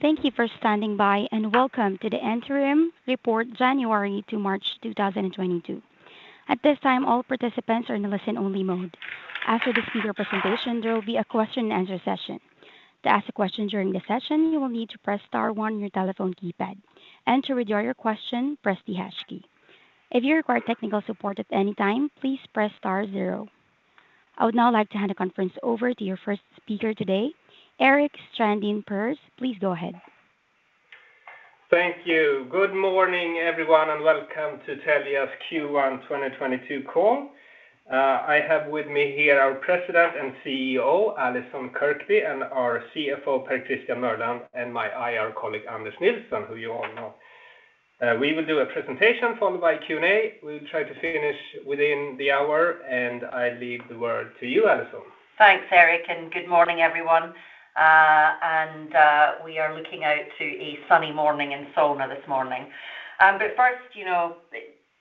Thank you for standing by, and welcome to the Interim Report January to March 2022. At this time, all participants are in listen only mode. After the speaker presentation, there will be a question and answer session. To ask a question during the session, you will need to press star one on your telephone keypad. To withdraw your question, press the hash key. If you require technical support at any time, please press star zero. I would now like to hand the conference over to your first speaker today, Erik Strandin Pers. Please go ahead. Thank you. Good morning, everyone, and welcome to Telia's Q1 2022 call. I have with me here our President and CEO, Allison Kirkby, and our CFO, Per-Christian Mörland, and my IR colleague, Anders Nilsson, who you all know. We will do a presentation followed by Q&A. We'll try to finish within the hour, and I leave the word to you, Allison. Thanks, Erik, and good morning, everyone. We are looking out to a sunny morning in Solna this morning. First, you know,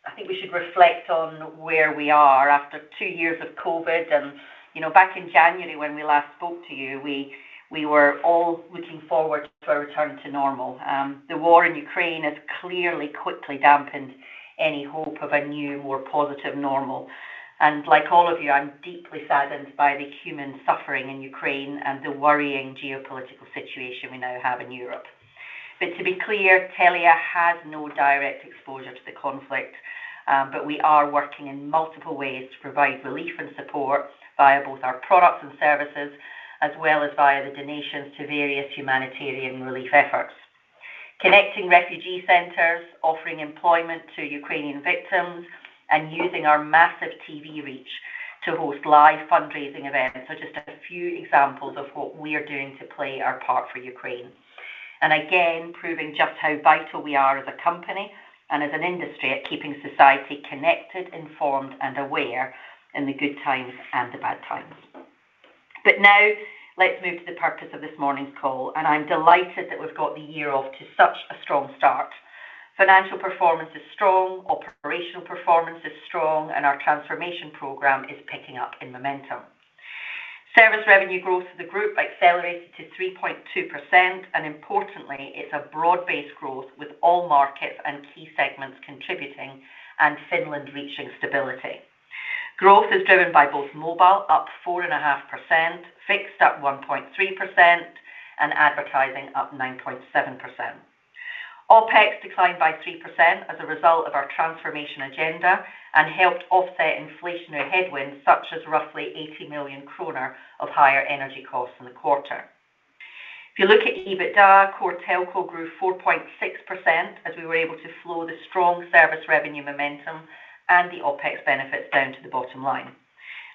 I think we should reflect on where we are after two years of COVID. You know, back in January when we last spoke to you, we were all looking forward to a return to normal. The war in Ukraine has clearly quickly dampened any hope of a new, more positive normal. Like all of you, I'm deeply saddened by the human suffering in Ukraine and the worrying geopolitical situation we now have in Europe. To be clear, Telia has no direct exposure to the conflict, but we are working in multiple ways to provide relief and support via both our products and services, as well as via the donations to various humanitarian relief efforts. Connecting refugee centers, offering employment to Ukrainian victims, and using our massive TV reach to host live fundraising events are just a few examples of what we are doing to play our part for Ukraine. Again, proving just how vital we are as a company and as an industry at keeping society connected, informed, and aware in the good times and the bad times. Now let's move to the purpose of this morning's call, and I'm delighted that we've got the year off to such a strong start. Financial performance is strong, operational performance is strong, and our transformation program is picking up in momentum. Service revenue growth for the group accelerated to 3.2%, and importantly, it's a broad-based growth with all markets and key segments contributing and Finland reaching stability. Growth is driven by both mobile up 4.5%, fixed up 1.3%, and advertising up 9.7%. OpEx declined by 3% as a result of our transformation agenda and helped offset inflationary headwinds such as roughly 80 million kronor of higher energy costs in the quarter. If you look at EBITDA, Core Telco grew 4.6% as we were able to flow the strong service revenue momentum and the OpEx benefits down to the bottom line.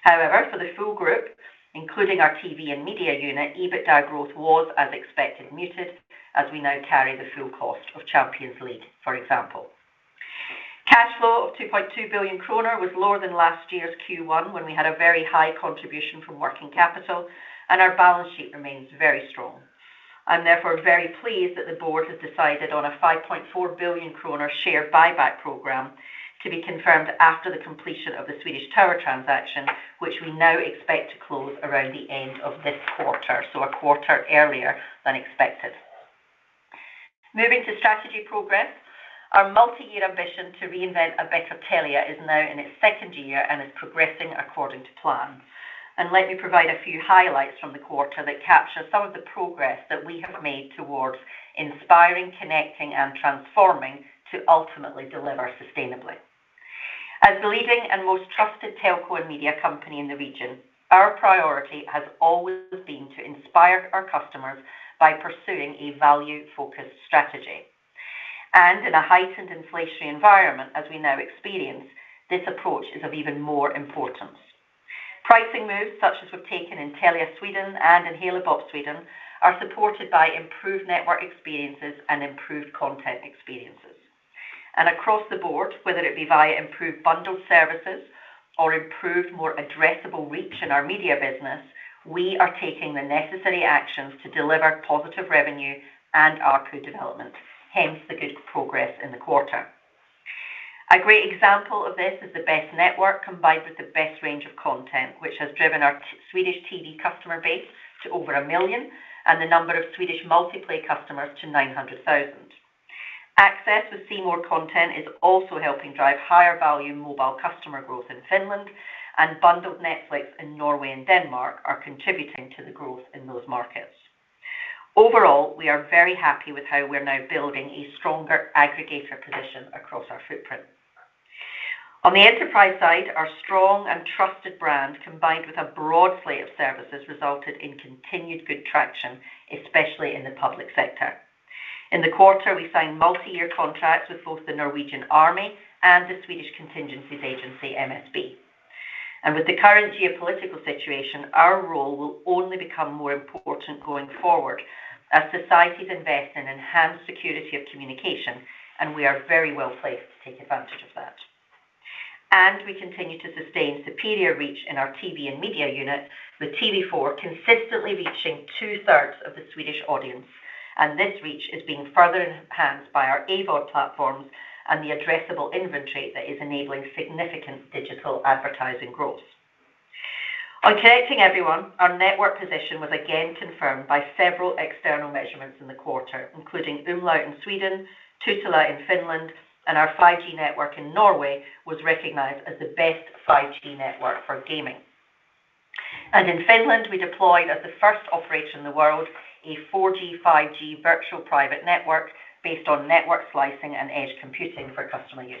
However, for the full group, including our TV and media unit, EBITDA growth was, as expected, muted as we now carry the full cost of Champions League, for example. Cash flow of 2.2 billion kronor was lower than last year's Q1 when we had a very high contribution from working capital, and our balance sheet remains very strong. I'm therefore very pleased that the board has decided on a 5.4 billion kronor share buyback program to be confirmed after the completion of the Swedish Tower transaction, which we now expect to close around the end of this quarter, so a quarter earlier than expected. Moving to strategy progress. Our multi-year ambition to reinvent a better Telia is now in its second year and is progressing according to plan. Let me provide a few highlights from the quarter that capture some of the progress that we have made towards inspiring, connecting, and transforming to ultimately deliver sustainably. As the leading and most trusted telco and media company in the region, our priority has always been to inspire our customers by pursuing a value-focused strategy. In a heightened inflationary environment, as we now experience, this approach is of even more importance. Pricing moves such as we've taken in Telia Sweden and in Halebop Sweden are supported by improved network experiences and improved content experiences. Across the board, whether it be via improved bundled services or improved, more addressable reach in our media business, we are taking the necessary actions to deliver positive revenue and ARPU development, hence the good progress in the quarter. A great example of this is the best network combined with the best range of content, which has driven our Swedish TV customer base to over one million and the number of Swedish multi-play customers to 900,000. Access with C More content is also helping drive higher value mobile customer growth in Finland and bundled Netflix in Norway and Denmark are contributing to the growth in those markets. Overall, we are very happy with how we're now building a stronger aggregator position across our footprint. On the enterprise side, our strong and trusted brand, combined with a broad slate of services, resulted in continued good traction, especially in the public sector. In the quarter, we signed multi-year contracts with both the Norwegian Army and the Swedish Civil Contingencies Agency, MSB. With the current geopolitical situation, our role will only become more important going forward as societies invest in enhanced security of communication, and we are very well-placed to take advantage of that. We continue to sustain superior reach in our TV and media unit, with TV4 consistently reaching 2/3 of the Swedish audience. This reach is being further enhanced by our AVOD platforms and the addressable inventory that is enabling significant digital advertising growth. On connecting everyone, our network position was again confirmed by several external measurements in the quarter, including umlaut in Sweden, Tutela in Finland, and our 5G network in Norway was recognized as the best 5G network for gaming. In Finland, we deployed as the first operator in the world, a 4G/5G virtual private network based on network slicing and edge computing for customer use.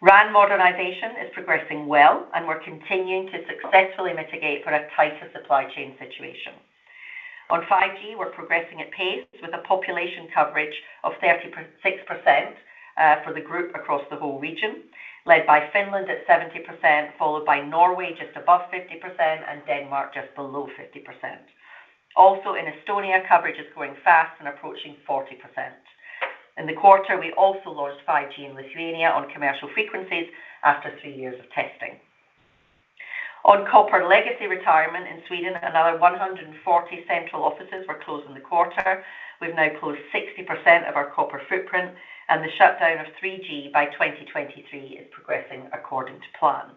RAN modernization is progressing well, and we're continuing to successfully mitigate for a tighter supply chain situation. On 5G, we're progressing at pace with a population coverage of 36% for the group across the whole region, led by Finland at 70%, followed by Norway just above 50%, and Denmark just below 50%. Also in Estonia, coverage is growing fast and approaching 40%. In the quarter, we also launched 5G in Lithuania on commercial frequencies after three years of testing. On copper legacy retirement in Sweden, another 140 central offices were closed in the quarter. We've now closed 60% of our copper footprint, and the shutdown of 3G by 2023 is progressing according to plan.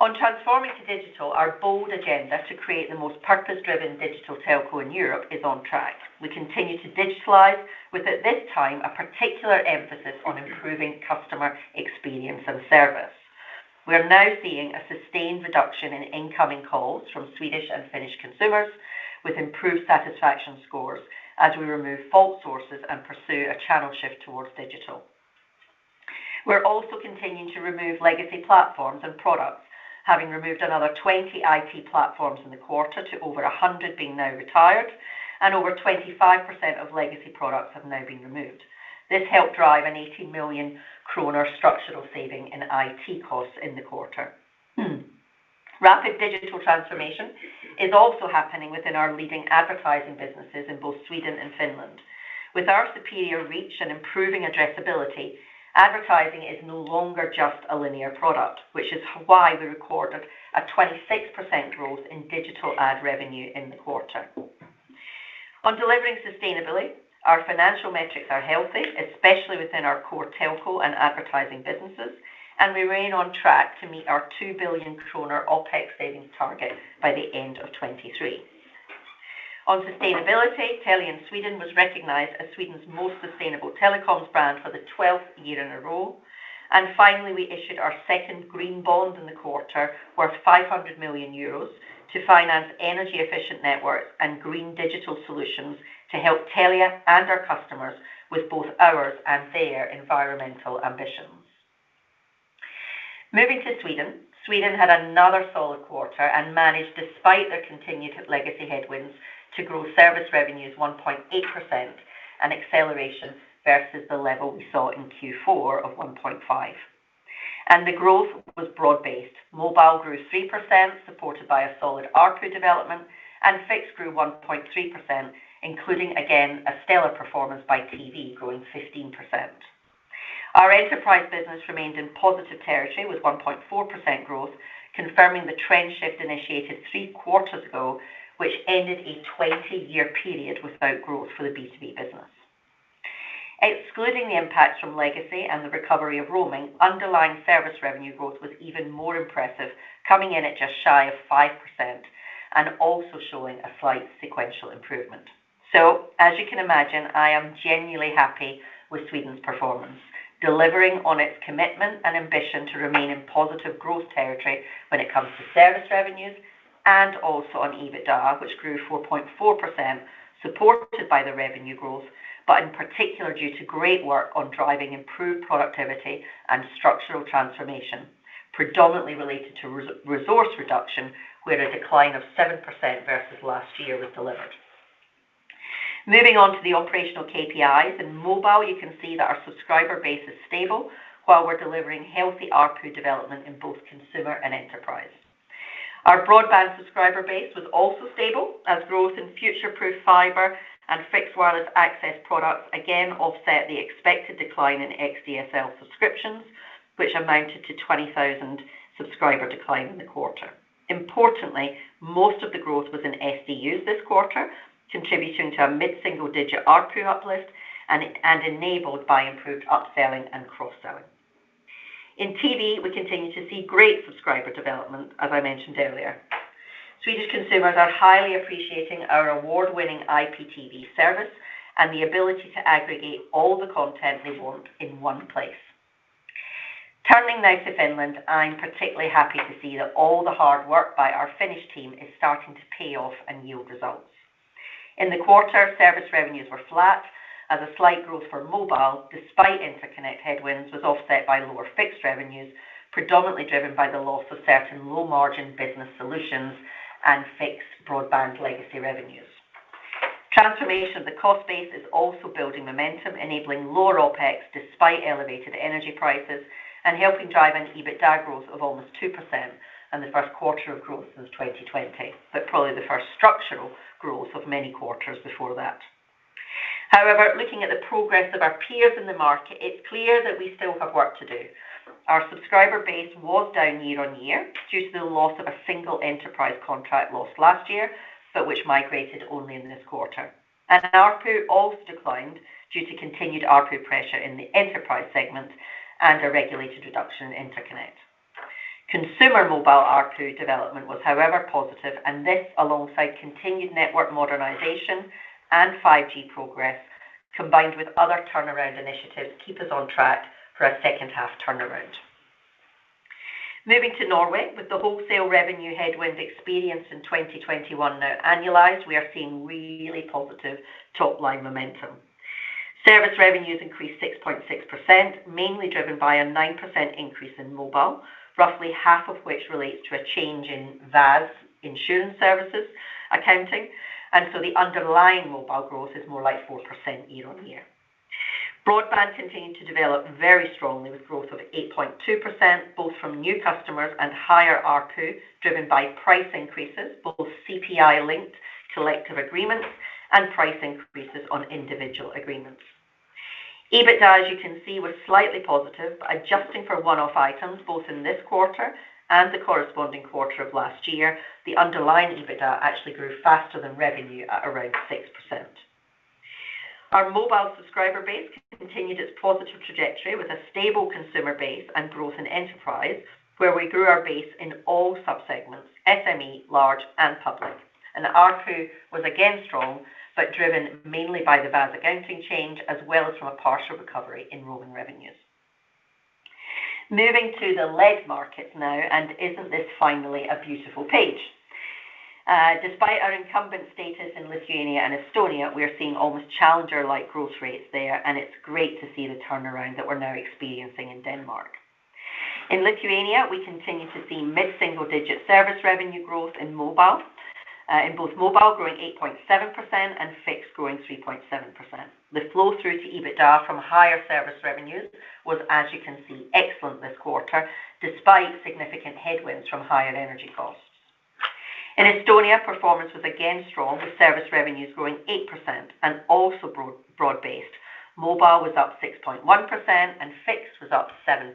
On transforming to digital, our bold agenda to create the most purpose-driven digital telco in Europe is on track. We continue to digitalize with, at this time, a particular emphasis on improving customer experience and service. We are now seeing a sustained reduction in incoming calls from Swedish and Finnish consumers with improved satisfaction scores as we remove fault sources and pursue a channel shift towards digital. We're also continuing to remove legacy platforms and products, having removed another 20 IT platforms in the quarter to over 100 being now retired, and over 25% of legacy products have now been removed. This helped drive a 80 million kronor structural saving in IT costs in the quarter. Rapid digital transformation is also happening within our leading advertising businesses in both Sweden and Finland. With our superior reach and improving addressability, advertising is no longer just a linear product, which is why we recorded a 26% growth in digital ad revenue in the quarter. On delivering sustainability, our financial metrics are healthy, especially within our core telco and advertising businesses, and we remain on track to meet our 2 billion kronor OpEx savings target by the end of 2023. On sustainability, Telia in Sweden was recognized as Sweden's most sustainable telecoms brand for the 12th year in a row. Finally, we issued our second green bond in the quarter, worth EUR 500 million to finance energy-efficient networks and green digital solutions to help Telia and our customers with both ours and their environmental ambitions. Moving to Sweden. Sweden had another solid quarter and managed, despite their continued legacy headwinds, to grow service revenues 1.8% and acceleration versus the level we saw in Q4 of 1.5%. The growth was broad-based. Mobile grew 3%, supported by a solid ARPU development, and fixed grew 1.3%, including, again, a stellar performance by TV, growing 15%. Our enterprise business remained in positive territory with 1.4% growth, confirming the trend shift initiated three quarters ago, which ended a 20-year period without growth for the B2B business. Excluding the impacts from legacy and the recovery of roaming, underlying service revenue growth was even more impressive, coming in at just shy of 5% and also showing a slight sequential improvement. As you can imagine, I am genuinely happy with Sweden's performance, delivering on its commitment and ambition to remain in positive growth territory when it comes to service revenues and also on EBITDA, which grew 4.4%, supported by the revenue growth. In particular, due to great work on driving improved productivity and structural transformation, predominantly related to resource reduction, where a decline of 7% versus last year was delivered. Moving on to the operational KPIs. In mobile, you can see that our subscriber base is stable while we're delivering healthy ARPU development in both consumer and enterprise. Our broadband subscriber base was also stable as growth in future-proof fiber and fixed wireless access products again offset the expected decline in XDSL subscriptions, which amounted to 20,000 subscriber decline in the quarter. Importantly, most of the growth was in SDUs this quarter, contributing to a mid-single-digit ARPU uplift and enabled by improved upselling and cross-selling. In TV, we continue to see great subscriber development, as I mentioned earlier. Swedish consumers are highly appreciating our award-winning IPTV service and the ability to aggregate all the content they want in one place. Turning now to Finland, I'm particularly happy to see that all the hard work by our Finnish team is starting to pay off and yield results. In the quarter, service revenues were flat as a slight growth for mobile, despite interconnect headwinds, was offset by lower fixed revenues, predominantly driven by the loss of certain low-margin business solutions and fixed broadband legacy revenues. Transformation of the cost base is also building momentum, enabling lower OpEx despite elevated energy prices and helping drive an EBITDA growth of almost 2% and the first quarter of growth since 2020. Probably the first structural growth of many quarters before that. However, looking at the progress of our peers in the market, it's clear that we still have work to do. Our subscriber base was down year-on-year due to the loss of a single enterprise contract lost last year, but which migrated only in this quarter. ARPU also declined due to continued ARPU pressure in the enterprise segment and a regulated reduction in interconnect. Consumer mobile ARPU development was however positive, and this, alongside continued network modernization and 5G progress, combined with other turnaround initiatives, keep us on track for a second half turnaround. Moving to Norway. With the wholesale revenue headwind experience in 2021 now annualized, we are seeing really positive top-line momentum. Service revenues increased 6.6%, mainly driven by a 9% increase in mobile, roughly half of which relates to a change in VAS insurance services accounting, and so the underlying mobile growth is more like 4% year-on-year. Broadband continued to develop very strongly, with growth of 8.2%, both from new customers and higher ARPU, driven by price increases, both CPI-linked collective agreements and price increases on individual agreements. EBITDA, as you can see, was slightly positive. Adjusting for one-off items, both in this quarter and the corresponding quarter of last year, the underlying EBITDA actually grew faster than revenue at around 6%. Our mobile subscriber base continued its positive trajectory with a stable consumer base and growth in enterprise, where we grew our base in all sub-segments, SME, large and public. ARPU was again strong, but driven mainly by the VAS accounting change as well as from a partial recovery in roaming revenues. Moving to the lead markets now. Isn't this finally a beautiful page? Despite our incumbent status in Lithuania and Estonia, we are seeing almost challenger-like growth rates there, and it's great to see the turnaround that we're now experiencing in Denmark. In Lithuania, we continue to see mid-single digit service revenue growth in mobile, in both mobile growing 8.7% and fixed growing 3.7%. The flow through to EBITDA from higher service revenues was, as you can see, excellent this quarter, despite significant headwinds from higher energy costs. In Estonia, performance was again strong, with service revenues growing 8% and also broad-based. Mobile was up 6.1% and fixed was up 7.8%.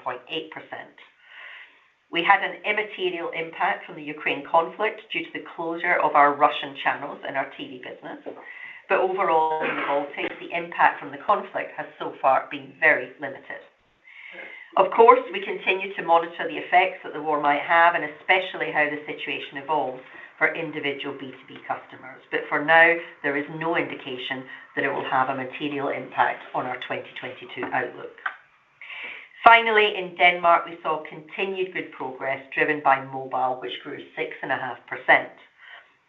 We had an immaterial impact from the Ukraine conflict due to the closure of our Russian channels in our TV business. Overall in the Baltics, the impact from the conflict has so far been very limited. Of course, we continue to monitor the effects that the war might have and especially how the situation evolves for individual B2B customers. For now, there is no indication that it will have a material impact on our 2022 outlook. Finally, in Denmark, we saw continued good progress driven by mobile, which grew 6.5%.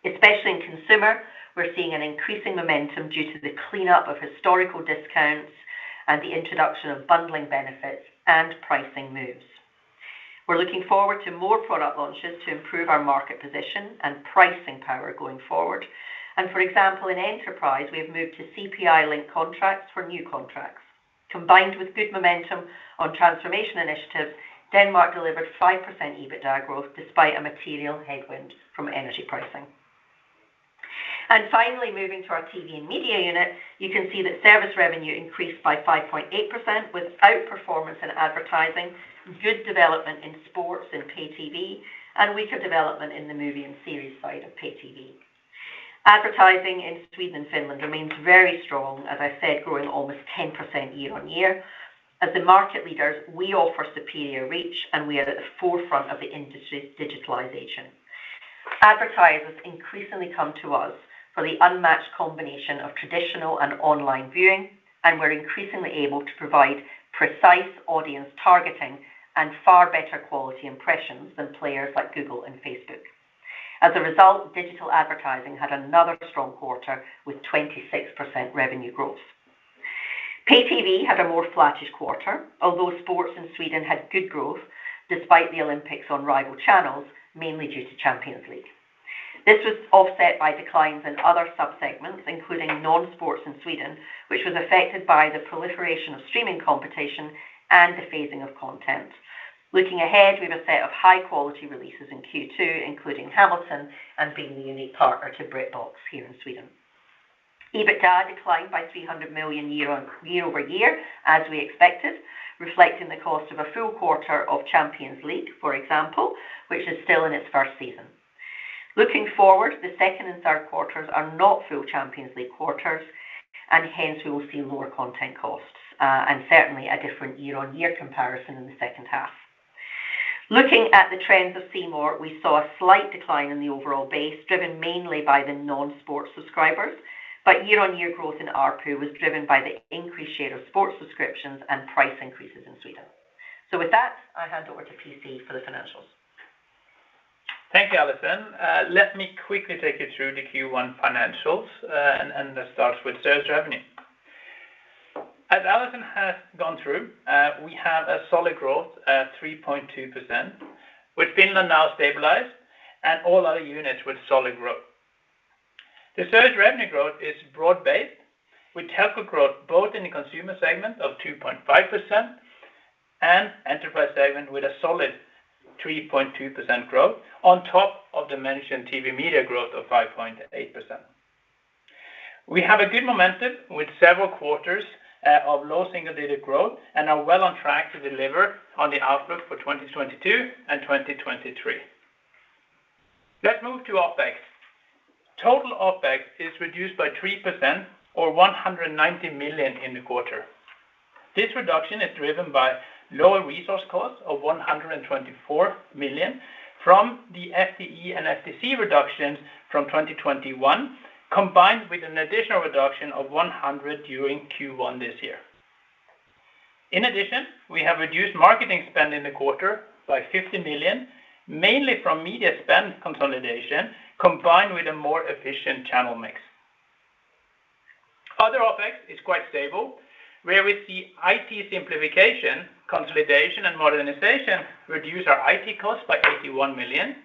Especially in consumer, we're seeing an increasing momentum due to the cleanup of historical discounts and the introduction of bundling benefits and pricing moves. We're looking forward to more product launches to improve our market position and pricing power going forward. For example, in enterprise, we have moved to CPI-linked contracts for new contracts. Combined with good momentum on transformation initiatives, Denmark delivered 5% EBITDA growth despite a material headwind from energy pricing. Finally, moving to our TV and media unit, you can see that service revenue increased by 5.8% with outperformance in advertising, good development in sports and pay TV, and weaker development in the movie and series side of pay TV. Advertising in Sweden and Finland remains very strong, as I said, growing almost 10% year-on-year. As the market leaders, we offer superior reach, and we are at the forefront of the industry's digitalization. Advertisers increasingly come to us for the unmatched combination of traditional and online viewing, and we're increasingly able to provide precise audience targeting and far better quality impressions than players like Google and Facebook. As a result, digital advertising had another strong quarter with 26% revenue growth. Pay TV had a more flattish quarter, although sports in Sweden had good growth despite the Olympics on rival channels, mainly due to Champions League. This was offset by declines in other sub-segments, including non-sports in Sweden, which was affected by the proliferation of streaming competition and the phasing of content. Looking ahead, we have a set of high-quality releases in Q2, including Hamilton and being the unique partner to BritBox here in Sweden. EBITDA declined by 300 million year-over-year, as we expected, reflecting the cost of a full quarter of Champions League, for example, which is still in its first season. Looking forward, the second and third quarters are not full Champions League quarters, and hence we will see lower content costs, and certainly a different year-over-year comparison in the second half. Looking at the trends of C More, we saw a slight decline in the overall base, driven mainly by the non-sports subscribers, but year-on-year growth in ARPU was driven by the increased share of sports subscriptions and price increases in Sweden. With that, I hand over to PC for the financials. Thank you, Allison. Let me quickly take you through the Q1 financials, and let's start with service revenue. As Allison has gone through, we have a solid growth at 3.2%, with Finland now stabilized and all other units with solid growth. The service revenue growth is broad-based, with telco growth both in the consumer segment of 2.5% and enterprise segment with a solid 3.2% growth on top of the mentioned TV media growth of 5.8%. We have a good momentum with several quarters of low single-digit growth and are well on track to deliver on the outlook for 2022 and 2023. Let's move to OpEx. Total OpEx is reduced by 3% or 190 million in the quarter. This reduction is driven by lower resource costs of 124 million from the FTE and FTC reductions from 2021, combined with an additional reduction of 100 million during Q1 this year. In addition, we have reduced marketing spend in the quarter by 50 million, mainly from media spend consolidation, combined with a more efficient channel mix. Other OpEx is quite stable, where we see IT simplification, consolidation, and modernization reduce our IT costs by 81 million.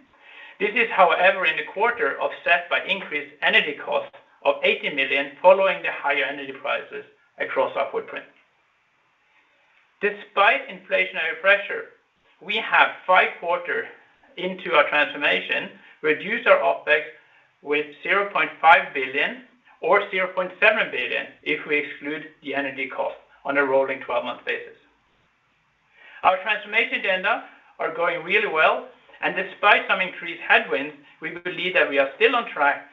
This is, however, in the quarter offset by increased energy costs of 80 million following the higher energy prices across our footprint. Despite inflationary pressure, we have five quarters into our transformation, reduced our OpEx by 0.5 billion or 0.7 billion if we exclude the energy cost on a rolling twelve-month basis. Our transformation agenda are going really well, and despite some increased headwinds, we believe that we are still on track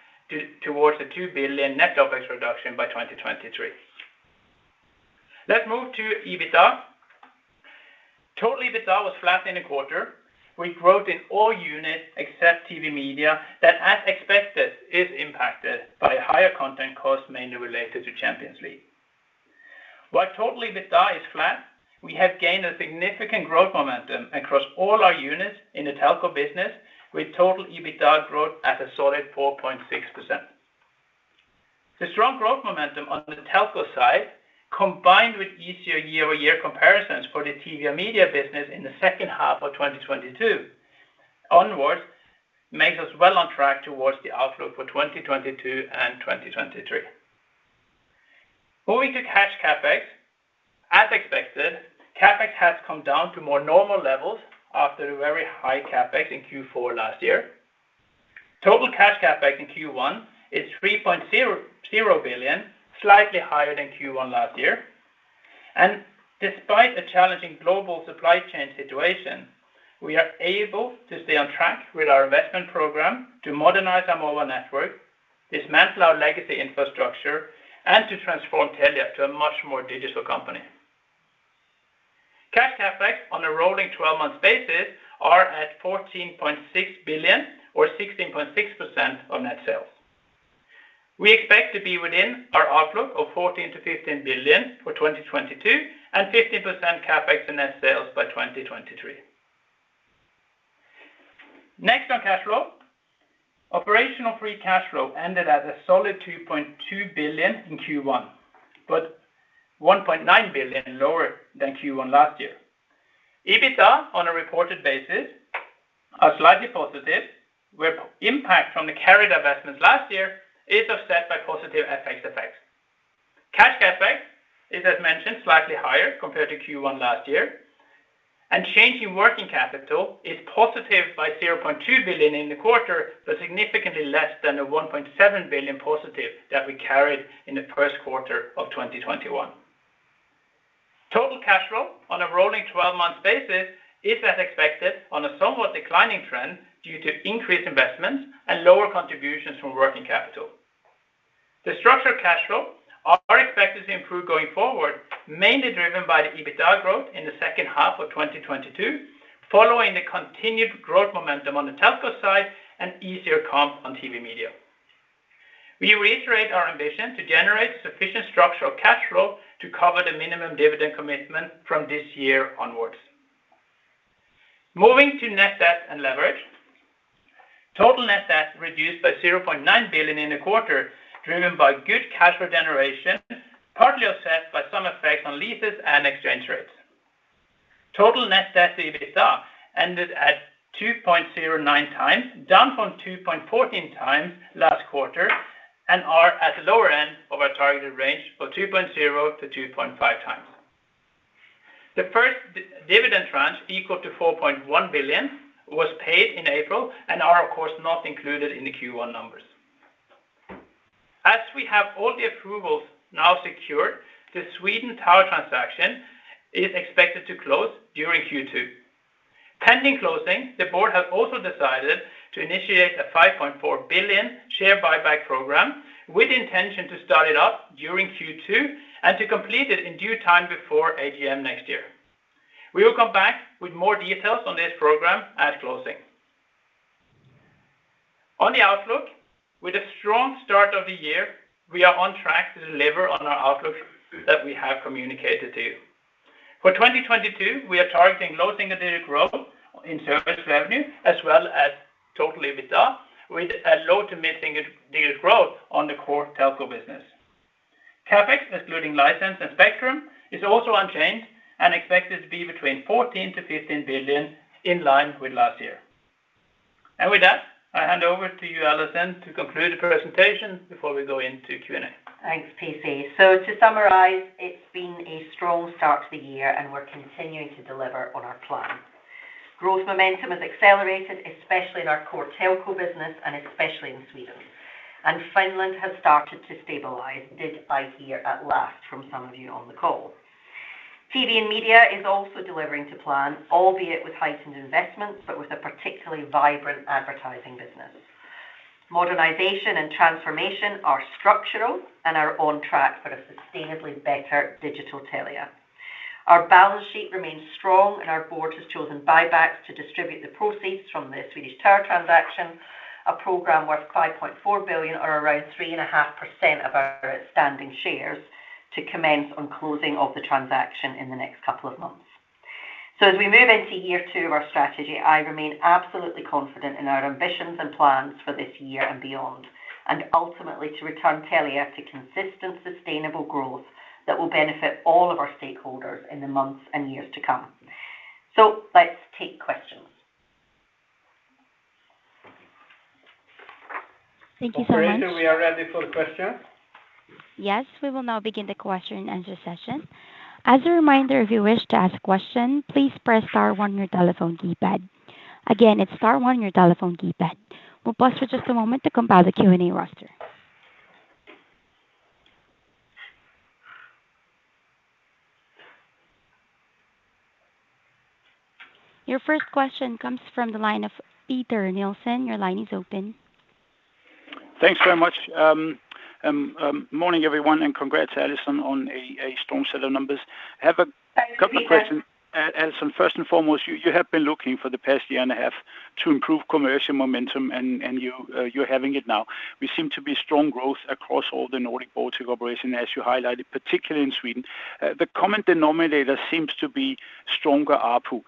towards the 2 billion net OpEx reduction by 2023. Let's move to EBITDA. Total EBITDA was flat in the quarter. We growth in all units except TV media that as expected is impacted by higher content costs mainly related to Champions League. While total EBITDA is flat, we have gained a significant growth momentum across all our units in the telco business with total EBITDA growth at a solid 4.6%. The strong growth momentum on the telco side, combined with easier year-over-year comparisons for the TV and media business in the second half of 2022 onwards, makes us well on track towards the outlook for 2022 and 2023. Moving to cash CapEx. As expected, CapEx has come down to more normal levels after a very high CapEx in Q4 last year. Total cash CapEx in Q1 is 3.0 billion, slightly higher than Q1 last year. Despite a challenging global supply chain situation, we are able to stay on track with our investment program to modernize our mobile network, dismantle our legacy infrastructure, and to transform Telia to a much more digital company. Cash CapEx on a rolling twelve-month basis are at 14.6 billion or 16.6% of net sales. We expect to be within our outlook of 14 billion-15 billion for 2022 and 15% CapEx in net sales by 2023. Next on cash flow. Operational free cash flow ended at a solid 2.2 billion in Q1, but 1.9 billion lower than Q1 last year. EBITDA on a reported basis is slightly positive, where impact from the carrier divestment last year is offset by positive FX effects. Cash CapEx is, as mentioned, slightly higher compared to Q1 last year, and change in working capital is positive by 0.2 billion in the quarter, but significantly less than the 1.7 billion positive that we carried in the first quarter of 2021. Total cash flow on a rolling 12-month basis is as expected on a somewhat declining trend due to increased investments and lower contributions from working capital. Structured cash flow is expected to improve going forward, mainly driven by the EBITDA growth in the second half of 2022, following the continued growth momentum on the telco side and easier comp on TV media. We reiterate our ambition to generate sufficient structural cash flow to cover the minimum dividend commitment from this year onwards. Moving to net debt and leverage. Total net debt reduced by 0.9 billion in the quarter, driven by good cash flow generation, partly offset by some effects on leases and exchange rates. Total net debt to EBITDA ended at 2.09x, down from 2.14x last quarter, and are at the lower end of our targeted range for 2.0x-2.5x. The first dividend tranche equal to 4.1 billion was paid in April and are of course not included in the Q1 numbers. As we have all the approvals now secured, the Swedish Tower transaction is expected to close during Q2. Pending closing, the board has also decided to initiate a 5.4 billion share buyback program with intention to start it up during Q2 and to complete it in due time before AGM next year. We will come back with more details on this program at closing. On the outlook, with a strong start of the year, we are on track to deliver on our outlook that we have communicated to you. For 2022, we are targeting low single-digit growth in service revenue as well as total EBITDA, with a low to mid single-digit growth on the core telco business. CapEx, including license and spectrum, is also unchanged and expected to be between 14 billion-15 billion in line with last year. With that, I hand over to you, Allison, to conclude the presentation before we go into Q&A. Thanks, PC. To summarize, it's been a strong start to the year and we're continuing to deliver on our plan. Growth momentum has accelerated, especially in our core telco business and especially in Sweden. Finland has started to stabilize. Did I hear at last from some of you on the call? TV and media is also delivering to plan, albeit with heightened investments, but with a particularly vibrant advertising business. Modernization and transformation are structural and are on track for a sustainably better digital Telia. Our balance sheet remains strong and our board has chosen buybacks to distribute the proceeds from the Swedish Tower transaction, a program worth 5.4 billion or around 3.5% of our standing shares to commence on closing of the transaction in the next couple of months. As we move into year two of our strategy, I remain absolutely confident in our ambitions and plans for this year and beyond, and ultimately to return Telia to consistent, sustainable growth that will benefit all of our stakeholders in the months and years to come. Let's take questions. Thank you so much. Operator, we are ready for the question. Yes, we will now begin the question and answer session. As a reminder, if you wish to ask a question, please press star one on your telephone keypad. Again, it's star one on your telephone keypad. We'll pause for just a moment to compile the Q&A roster. Your first question comes from the line of Peter Nielsen. Your line is open. Thanks very much. Morning, everyone, and congrats, Allison, on a strong set of numbers. I have a couple of questions. Thanks, Peter. Allison, first and foremost, you have been looking for the past year and a half to improve commercial momentum, and you are having it now. We seem to be seeing strong growth across all the Nordic and Baltic operations, as you highlighted, particularly in Sweden. The common denominator seems to be stronger ARPU.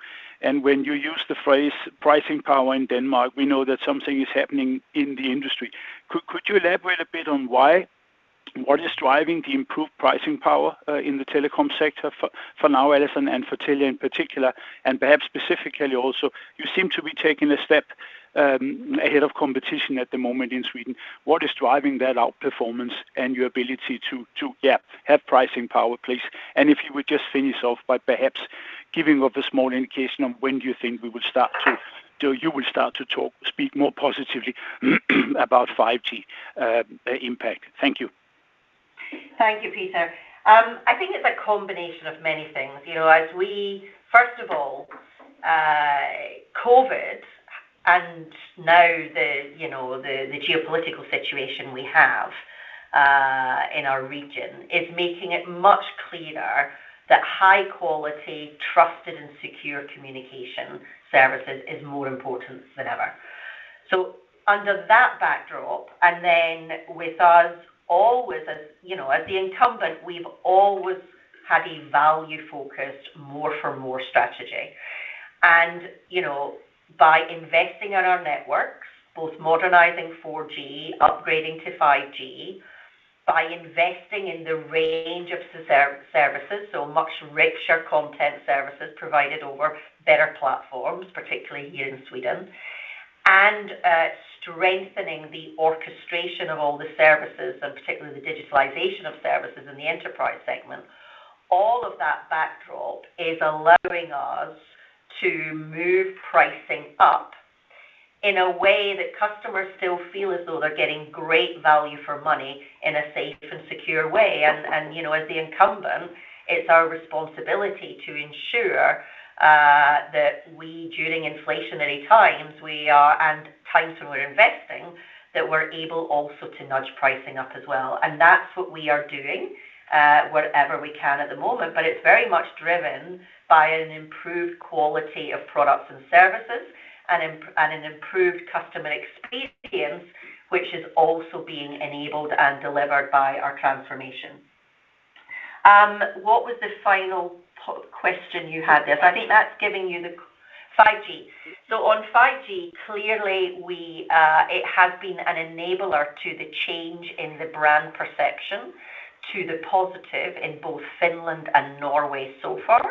When you use the phrase pricing power in Denmark, we know that something is happening in the industry. Could you elaborate a bit on why? What is driving the improved pricing power in the telecom sector for now, Allison, and for Telia in particular, and perhaps specifically also you seem to be taking a step ahead of competition at the moment in Sweden. What is driving that outperformance and your ability to have pricing power, please. If you would just finish off by perhaps giving us a small indication of when do you think you will start to talk, speak more positively about 5G impact? Thank you. Thank you, Peter. I think it's a combination of many things. You know, First of all, COVID, and now the geopolitical situation we have in our region is making it much clearer that high quality, trusted, and secure communication services is more important than ever. Under that backdrop, and then with us always as, you know, as the incumbent, we've always had a value-for-more strategy. You know, by investing in our networks, both modernizing 4G, upgrading to 5G, by investing in the range of services, so much richer content services provided over better platforms, particularly here in Sweden, and strengthening the orchestration of all the services, and particularly the digitalization of services in the enterprise segment. All of that backdrop is allowing us to move pricing up in a way that customers still feel as though they're getting great value for money in a safe and secure way. You know, as the incumbent, it's our responsibility to ensure that we during inflationary times and times when we're investing that we're able also to nudge pricing up as well. That's what we are doing wherever we can at the moment. It's very much driven by an improved quality of products and services and an improved customer experience which is also being enabled and delivered by our transformation. What was the final question you had there? I think that's giving you the 5G. On 5G, clearly, it has been an enabler to the change in the brand perception to the positive in both Finland and Norway so far.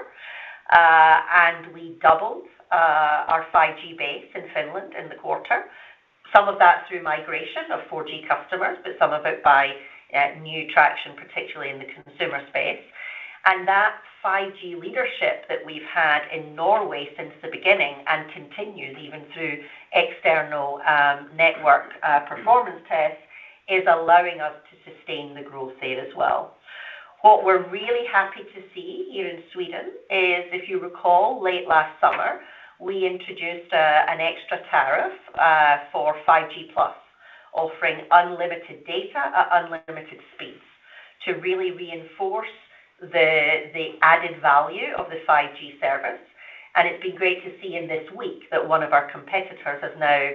We doubled our 5G base in Finland in the quarter. Some of that through migration of 4G customers, but some of it by new traction, particularly in the consumer space. That 5G leadership that we've had in Norway since the beginning and continues even through external network performance tests is allowing us to sustain the growth rate as well. What we're really happy to see here in Sweden is, if you recall, late last summer, we introduced an extra tariff for 5G+, offering unlimited data at unlimited speeds to really reinforce the added value of the 5G service. It's been great to see this week that one of our competitors has now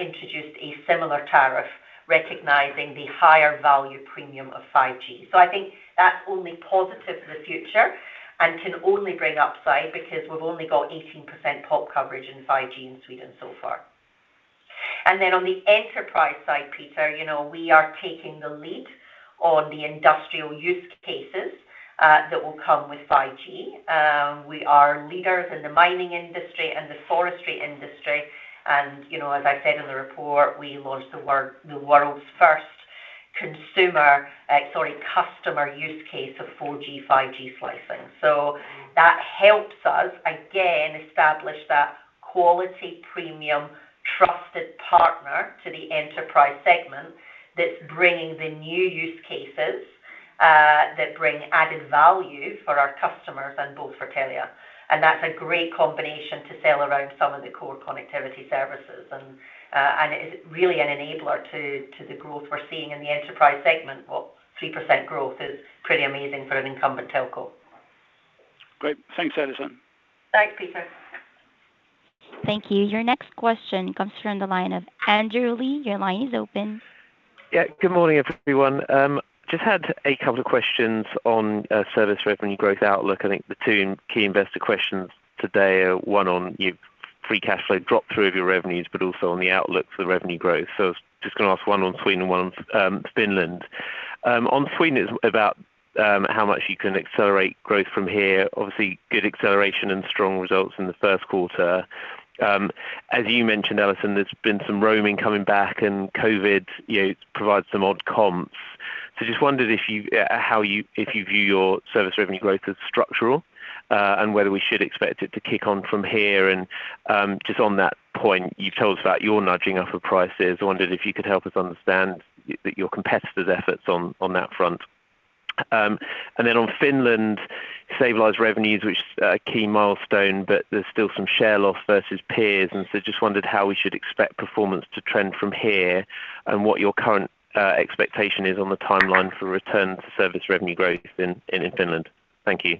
introduced a similar tariff recognizing the higher value premium of 5G. I think that's only positive for the future and can only bring upside because we've only got 18% pop coverage in 5G in Sweden so far. Then on the enterprise side, Peter, you know, we are taking the lead on the industrial use cases that will come with 5G. We are leaders in the mining industry and the forestry industry. You know, as I said in the report, we launched the world's first consumer, sorry, customer use case of 4G, 5G slicing. That helps us again establish that quality premium trusted partner to the enterprise segment that's bringing the new use cases that bring added value for our customers and both for Telia. That's a great combination to sell around some of the core connectivity services. It is really an enabler to the growth we're seeing in the enterprise segment. Well, 3% growth is pretty amazing for an incumbent telco. Great. Thanks, Allison. Thanks, Peter. Thank you. Your next question comes from the line of Andrew Lee. Your line is open. Yeah. Good morning, everyone. Just had a couple of questions on service revenue growth outlook. I think the two key investor questions today are one on your free cash flow drop through of your revenues, but also on the outlook for revenue growth. Just gonna ask one on Sweden and one on Finland. On Sweden, it's about how much you can accelerate growth from here. Obviously, good acceleration and strong results in the first quarter. As you mentioned, Allison, there's been some roaming coming back and COVID, you know, provides some odd comps. Just wondered if you view your service revenue growth as structural, and whether we should expect it to kick on from here. Just on that point, you've told us about your nudging up of prices. I wondered if you could help us understand your competitors' efforts on that front. On Finland, stabilized revenues, which is a key milestone, but there's still some share loss versus peers. Just wondered how we should expect performance to trend from here and what your current expectation is on the timeline for return to service revenue growth in Finland. Thank you.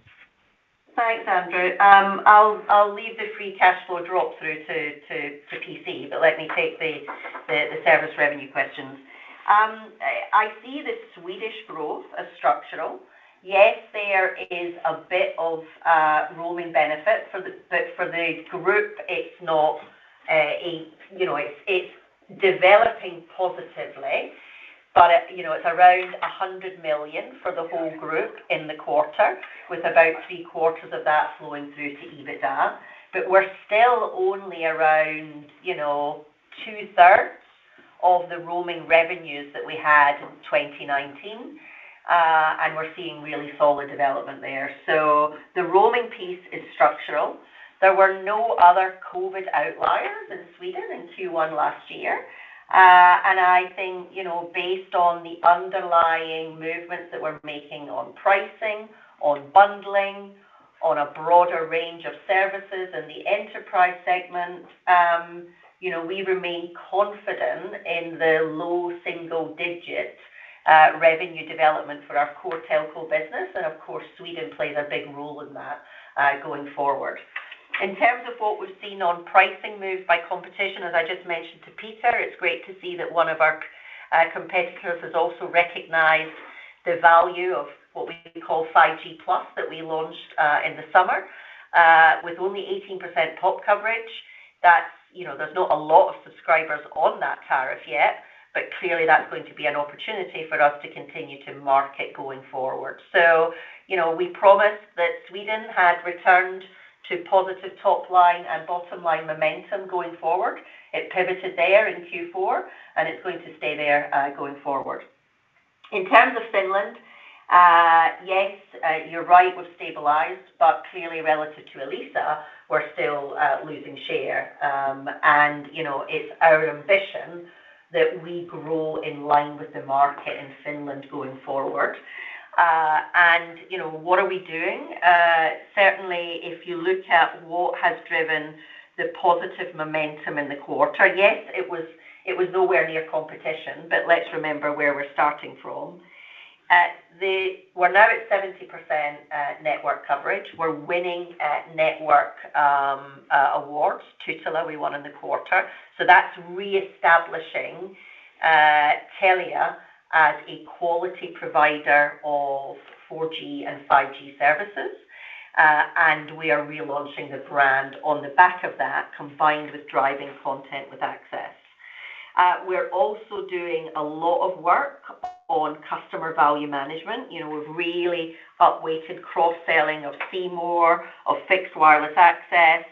Thanks, Andrew. I'll leave the free cash flow drop through to PC, but let me take the service revenue questions. I see the Swedish growth as structural. Yes, there is a bit of a roaming benefit for the group. It's not a, you know, it's developing positively, but, you know, it's around 100 million for the whole group in the quarter with about three quarters of that flowing through to EBITDA. We're still only around, you know, two-thirds of the roaming revenues that we had in 2019. And we're seeing really solid development there. The roaming piece is structural. There were no other COVID outliers in Sweden in Q1 last year. I think, you know, based on the underlying movements that we're making on pricing, on bundling, on a broader range of services in the enterprise segment, you know, we remain confident in the low single digit revenue development for our core telco business. Of course, Sweden plays a big role in that, going forward. In terms of what we've seen on pricing moves by competition, as I just mentioned to Peter, it's great to see that one of our competitors has also recognized the value of what we call 5G Plus that we launched in the summer. With only 18% pop coverage, that's, you know, there's not a lot of subscribers on that tariff yet, but clearly that's going to be an opportunity for us to continue to market going forward. You know, we promised that Sweden had returned to positive top line and bottom line momentum going forward. It pivoted there in Q4, and it's going to stay there going forward. In terms of Finland, yes, you're right, we've stabilized, but clearly relative to Elisa, we're still losing share. You know, it's our ambition that we grow in line with the market in Finland going forward. You know, what are we doing? Certainly, if you look at what has driven the positive momentum in the quarter, yes, it was nowhere near competition, but let's remember where we're starting from. We're now at 70% network coverage. We're winning network awards. Tutela, we won in the quarter. That's reestablishing Telia as a quality provider of 4G and 5G services. We are relaunching the brand on the back of that, combined with driving content with access. We're also doing a lot of work on customer value management. You know, we've really upweighted cross-selling of C More, of fixed wireless access.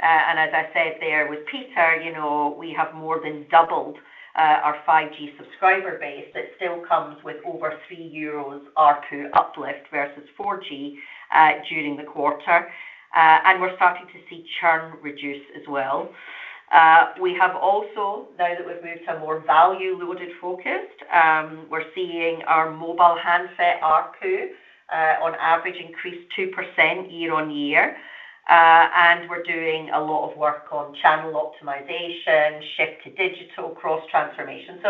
As I said there with Peter, you know, we have more than doubled our 5G subscriber base. That still comes with over 3 euros ARPU uplift versus 4G during the quarter. We're starting to see churn reduce as well. We have also, now that we've moved to a more value-loaded focus, we're seeing our mobile handset ARPU on average increase 2% year-over-year. We're doing a lot of work on channel optimization, shift to digital, cross-transformation.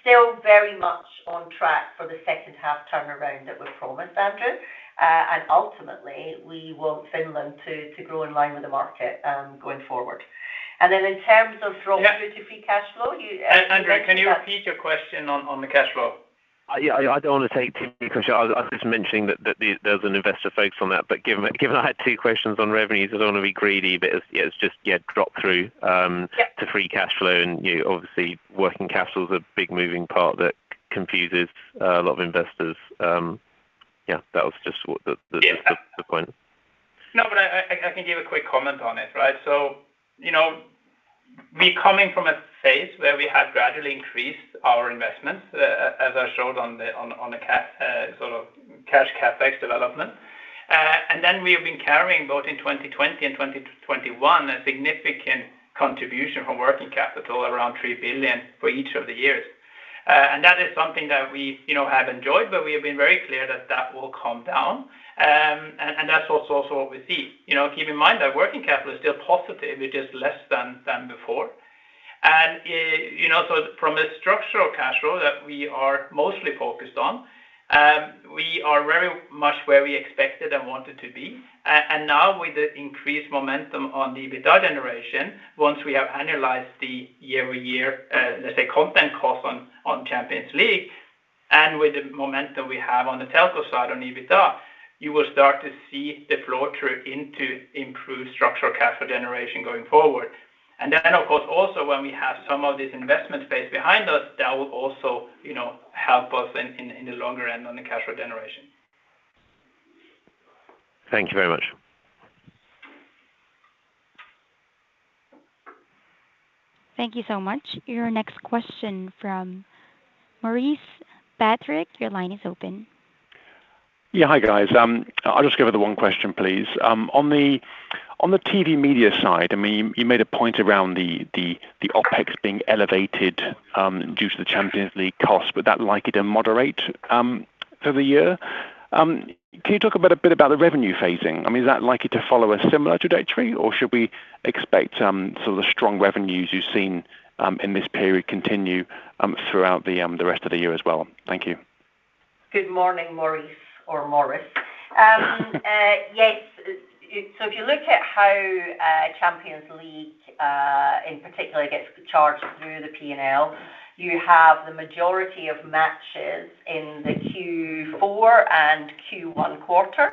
Still very much on track for the second half turnaround that we promised, Andrew. Ultimately, we want Finland to grow in line with the market, going forward. Then in terms of drop through to free cash flow, you- Andrew, can you repeat your question on the cash flow? Yeah. I don't wanna take too much. I was just mentioning that there's an investor focus on that, but given I had two questions on revenues, I don't wanna be greedy, but it's just drop through to free cash flow and, you know, obviously working capital is a big moving part that confuses a lot of investors. Yeah, that was just what the point. No, I can give a quick comment on it, right? We're coming from a phase where we have gradually increased our investments, as I showed on the cash sort of cash CapEx development. And then we have been carrying both in 2020 and 2021 a significant contribution from working capital around 3 billion for each of the years. And that is something that we have enjoyed, but we have been very clear that that will calm down. And that's also what we see. Keep in mind that working capital is still positive, it is less than before. And you know, so from a structural cash flow that we are mostly focused on, we are very much where we expected and wanted to be. Now with the increased momentum on the EBITDA generation, once we have annualized the year-over-year, let's say, content costs on Champions League, and with the momentum we have on the telco side on EBITDA, you will start to see the flow through into improved structural cash flow generation going forward. Of course, also, when we have some of this investment space behind us, that will also, you know, help us in the longer end on the cash flow generation. Thank you very much. Thank you so much. Your next question from Maurice Patrick. Your line is open. Yeah. Hi, guys. I'll just give her the one question, please. On the TV media side, I mean, you made a point around the OpEx being elevated due to the Champions League cost, but that likely to moderate over the year. Can you talk a bit about the revenue phasing? I mean, is that likely to follow a similar trajectory, or should we expect sort of the strong revenues you've seen in this period continue throughout the rest of the year as well? Thank you. Good morning, Maurice. If you look at how Champions League, in particular, gets charged through the P&L, you have the majority of matches in the Q4 and Q1 quarters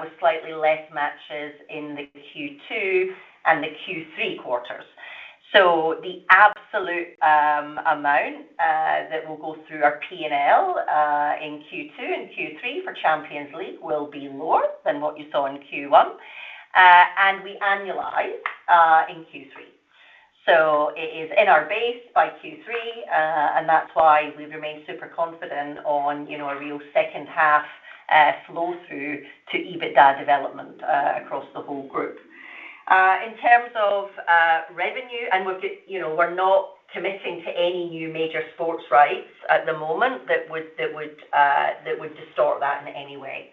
with slightly less matches in the Q2 and the Q3 quarters. The absolute amount that will go through our P&L in Q2 and Q3 for Champions League will be lower than what you saw in Q1. We annualize in Q3. It is in our base by Q3, and that's why we've remained super confident on, you know, a real second half flow through to EBITDA development across the whole group. In terms of revenue, you know, we're not committing to any new major sports rights at the moment that would distort that in any way.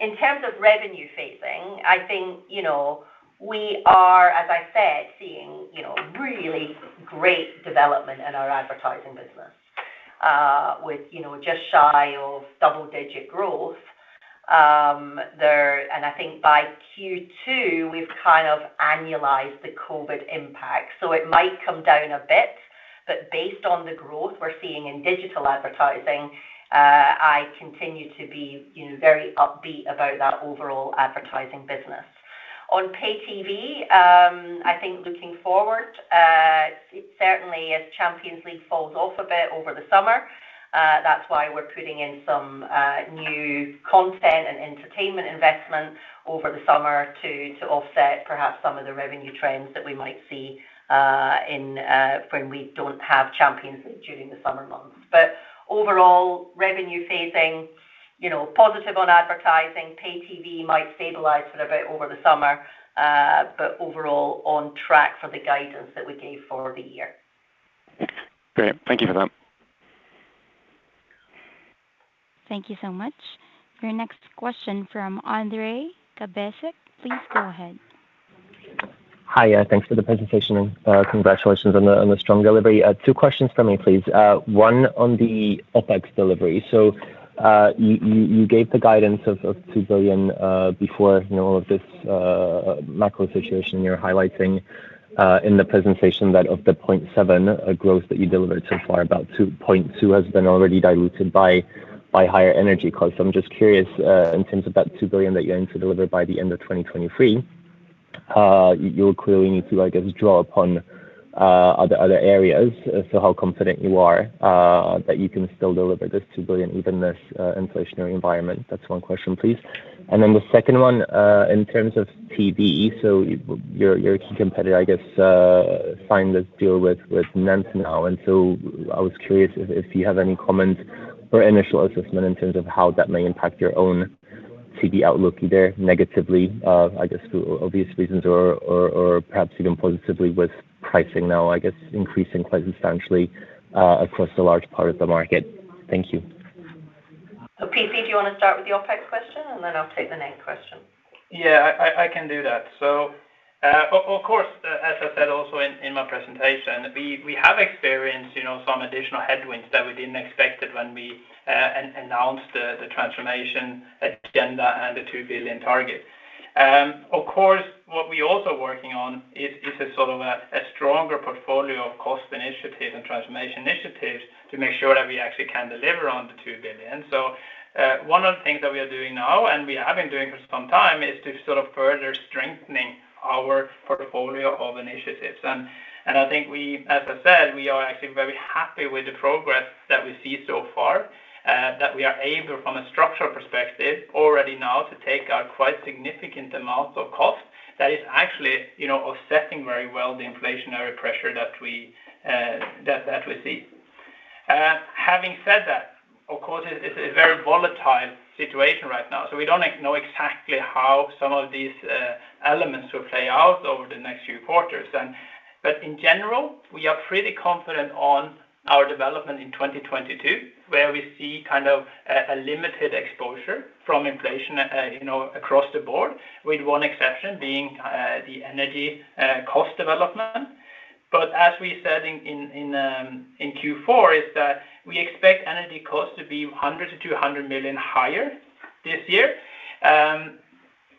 In terms of revenue phasing, I think, you know, we are, as I said, seeing, you know, really great development in our advertising business, with, you know, just shy of double-digit growth. I think by Q2, we've kind of annualized the COVID impact. It might come down a bit, but based on the growth we're seeing in digital advertising, I continue to be, you know, very upbeat about that overall advertising business. On pay TV, I think looking forward, certainly as Champions League falls off a bit over the summer, that's why we're putting in some new content and entertainment investments over the summer to offset perhaps some of the revenue trends that we might see in when we don't have Champions League during the summer months. Overall, revenue phasing, you know, positive on advertising. Pay TV might stabilize for a bit over the summer, but overall on track for the guidance that we gave for the year. Great. Thank you for that. Thank you so much. Your next question from Andreas Joelsson. Please go ahead. Hi. Thanks for the presentation and congratulations on the strong delivery. Two questions from me, please. One on the OpEx delivery. You gave the guidance of 2 billion before, you know, all of this macro situation you're highlighting in the presentation that the 0.7% growth that you delivered so far, about 2.2% has been already diluted by higher energy costs. I'm just curious in terms of that 2 billion that you aim to deliver by the end of 2023. You'll clearly need to, I guess, draw upon other areas. How confident you are that you can still deliver this 2 billion even in this inflationary environment? That's one question, please. The second one in terms of TV. Your key competitor, I guess, signed this deal with NENT now. I was curious if you have any comment or initial assessment in terms of how that may impact your own TV outlook, either negatively, I guess, due to obvious reasons or perhaps even positively with pricing now, I guess, increasing quite substantially across a large part of the market. Thank you. PC, do you wanna start with the OpEx question, and then I'll take the NENT question? Yeah. I can do that. Of course, as I said also in my presentation, we have experienced, you know, some additional headwinds that we didn't expect when we announced the transformation agenda and the 2 billion target. Of course, what we're also working on is a sort of a stronger portfolio of cost initiatives and transformation initiatives to make sure that we actually can deliver on the 2 billion. One of the things that we are doing now, and we have been doing for some time, is to sort of further strengthening our portfolio of initiatives. I think we, as I said, we are actually very happy with the progress that we see so far, that we are able from a structural perspective already now to take out quite significant amounts of cost that is actually, you know, offsetting very well the inflationary pressure that we see. Having said that, of course, it's a very volatile situation right now, so we don't know exactly how some of these elements will play out over the next few quarters. In general, we are pretty confident on our development in 2022, where we see kind of a limited exposure from inflation, you know, across the board, with one exception being the energy cost development. As we said in Q4, we expect energy costs to be 100 million-200 million higher this year.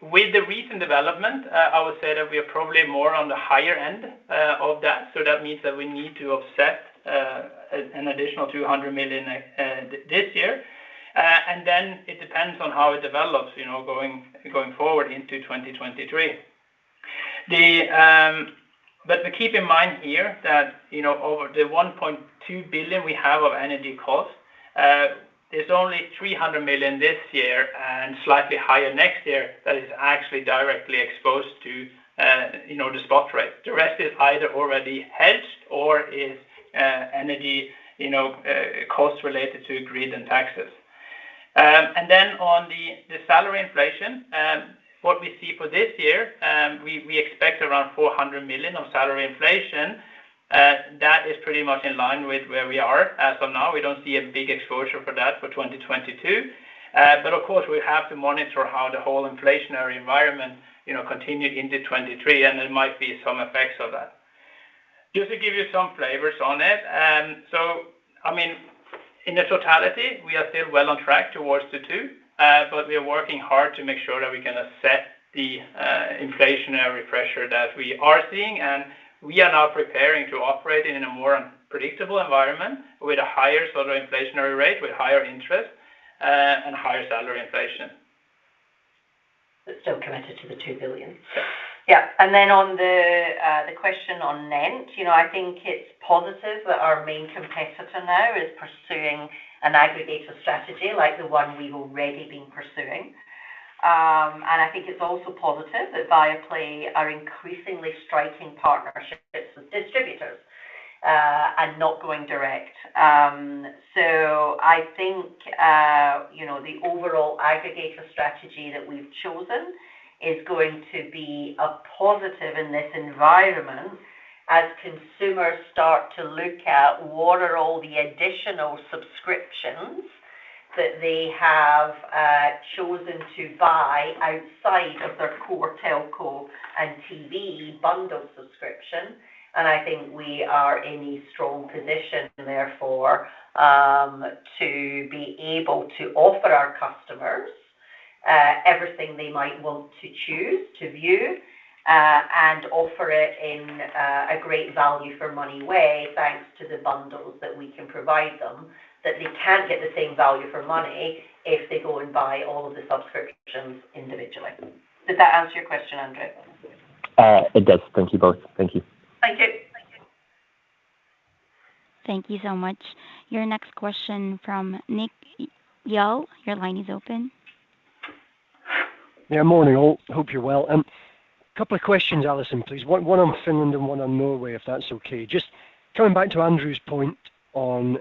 With the recent development, I would say that we are probably more on the higher end of that. That means that we need to offset an additional 200 million this year. It depends on how it develops, you know, going forward into 2023. Keep in mind here that, you know, over the 1.2 billion we have of energy costs, there's only 300 million this year and slightly higher next year that is actually directly exposed to, you know, the spot rate. The rest is either already hedged or is energy, you know, costs related to grid and taxes. On the salary inflation, what we see for this year, we expect around 400 million of salary inflation. That is pretty much in line with where we are as of now. We don't see a big exposure for that for 2022. Of course, we have to monitor how the whole inflationary environment, you know, continued into 2023, and there might be some effects of that. Just to give you some flavors on it. I mean, in its totality, we are still well on track towards the 2 billion. We are working hard to make sure that we can assess the inflationary pressure that we are seeing, and we are now preparing to operate in a more unpredictable environment with a higher sort of inflationary rate, with higher interest, and higher salary inflation. Still committed to the 2 billion. On the question on NENT, you know, I think it's positive that our main competitor now is pursuing an aggregator strategy like the one we've already been pursuing. I think it's also positive that Viaplay are increasingly striking partnerships with distributors, and not going direct. I think, you know, the overall aggregator strategy that we've chosen is going to be a positive in this environment as consumers start to look at what are all the additional subscriptions that they have chosen to buy outside of their core telco and TV bundle subscription. I think we are in a strong position, therefore, to be able to offer our customers everything they might want to choose to view, and offer it in a great value for money way, thanks to the bundles that we can provide them, that they can't get the same value for money if they go and buy all of the subscriptions individually. Does that answer your question, Andrew? It does. Thank you both. Thank you. Thank you. Thank you so much. Your next question from Nick Lyall. Your line is open. Yeah, morning all. Hope you're well. Couple of questions, Allison, please. One on Finland and one on Norway, if that's okay. Just coming back to Andrew's point on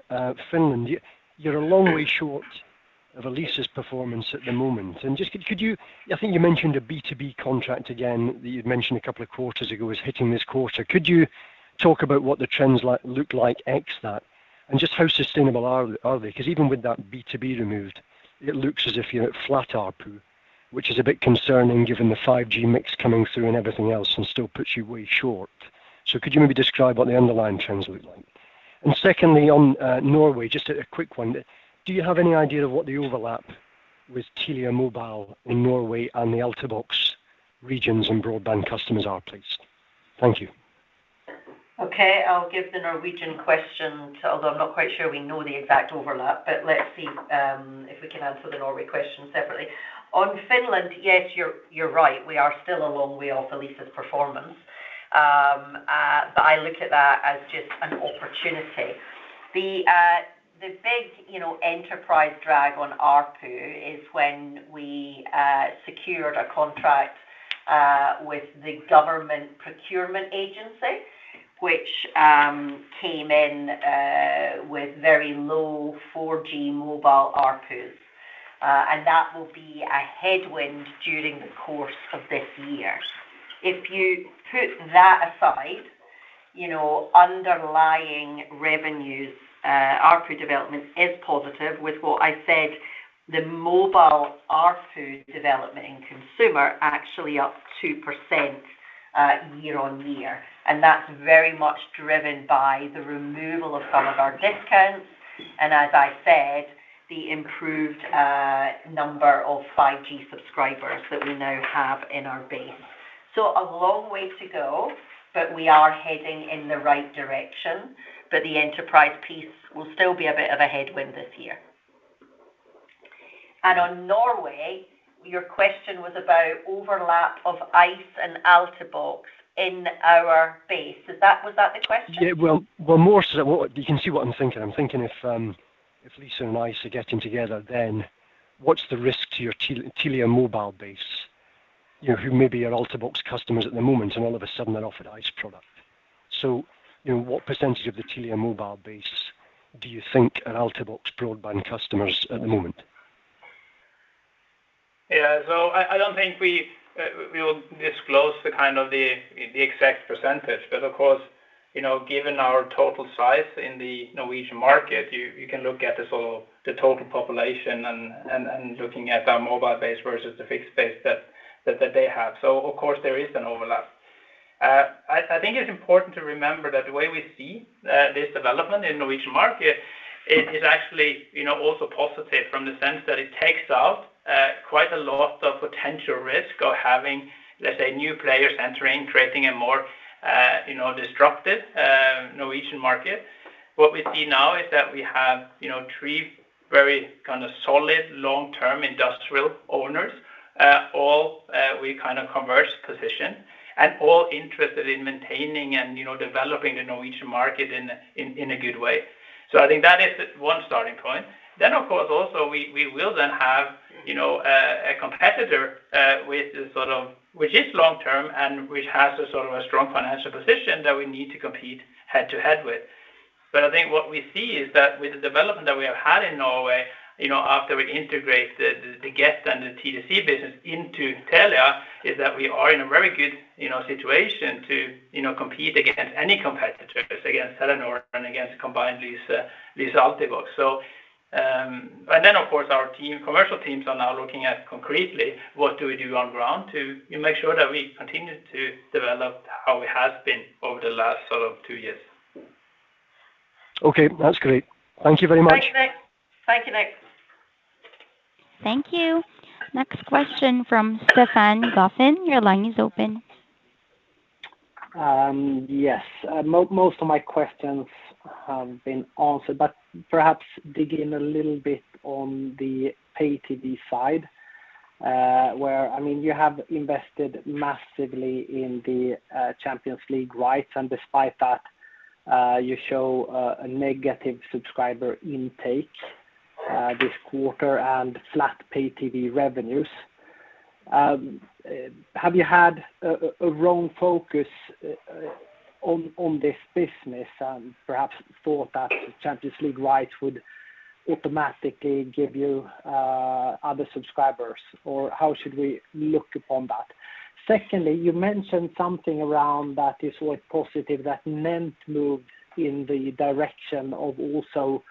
Finland. You're a long way short of Elisa's performance at the moment. I think you mentioned a B2B contract again that you'd mentioned a couple of quarters ago is hitting this quarter. Could you talk about what the trends look like ex that? Just how sustainable are they? Because even with that B2B removed, it looks as if you're at flat ARPU, which is a bit concerning given the 5G mix coming through and everything else and still puts you way short. Could you maybe describe what the underlying trends look like? Secondly, on Norway, just a quick one. Do you have any idea of what the overlap with Telia Norge in Norway and the Altibox regions and broadband customers are, please? Thank you. Okay. I'll give the Norwegian question, although I'm not quite sure we know the exact overlap, but let's see if we can answer the Norway question separately. On Finland, yes, you're right. We are still a long way off Elisa's performance. I look at that as just an opportunity. The big, you know, enterprise drag on ARPU is when we secured a contract with the government procurement agency, which came in with very low 4G mobile ARPUs. That will be a headwind during the course of this year. If you put that aside, you know, underlying revenues, ARPU development is positive with what I said, the mobile ARPU development in consumer actually up 2%, year-on-year. That's very much driven by the removal of some of our discounts and as I said, the improved number of 5G subscribers that we now have in our base. A long way to go, but we are heading in the right direction. The enterprise piece will still be a bit of a headwind this year. On Norway, your question was about overlap of ICE and Altibox in our base. Was that the question? Yeah. Well, more so you can see what I'm thinking. I'm thinking if Lyse and ICE are getting together, then what's the risk to your Telia Norge base? Who maybe are Altibox customers at the moment and all of a sudden they're offered ICE product. You know, what percentage of the Telia mobile base do you think are Altibox broadband customers at the moment? I don't think we will disclose the exact percentage. Of course, you know, given our total size in the Norwegian market, you can look at the total population and looking at our mobile base versus the fixed base that they have. Of course, there is an overlap. I think it's important to remember that the way we see this development in Norwegian market is actually, you know, also positive from the sense that it takes out quite a lot of potential risk of having, let's say, new players entering, creating a more, you know, disruptive Norwegian market. What we see now is that we have, you know, three very kind of solid long-term industrial owners. We all kind of have a consensus position and are all interested in maintaining and, you know, developing the Norwegian market in a good way. I think that is one starting point. Of course, also we will then have, you know, a competitor which is long-term and which has a sort of a strong financial position that we need to compete head to head with. I think what we see is that with the development that we have had in Norway, you know, after we integrate the Get and the TDC business into Telia, is that we are in a very good, you know, situation to, you know, compete against any competitor, against Telenor and against the combined ICE and Altibox. Of course, our team, commercial teams are now looking at concretely what do we do on ground to, you know, make sure that we continue to develop how it has been over the last sort of two years. Okay. That's great. Thank you very much. Thank you, Nick. Thank you. Next question from Stefan Gauffin. Your line is open. Yes. Most of my questions have been answered, but perhaps digging a little bit on the pay TV side, where, I mean, you have invested massively in the Champions League rights, and despite that, you show a negative subscriber intake this quarter and flat pay TV revenues. Have you had a wrong focus on this business and perhaps thought that Champions League rights would automatically give you other subscribers, or how should we look upon that? Secondly, you mentioned something around that is quite positive, that NENT moved in the direction of also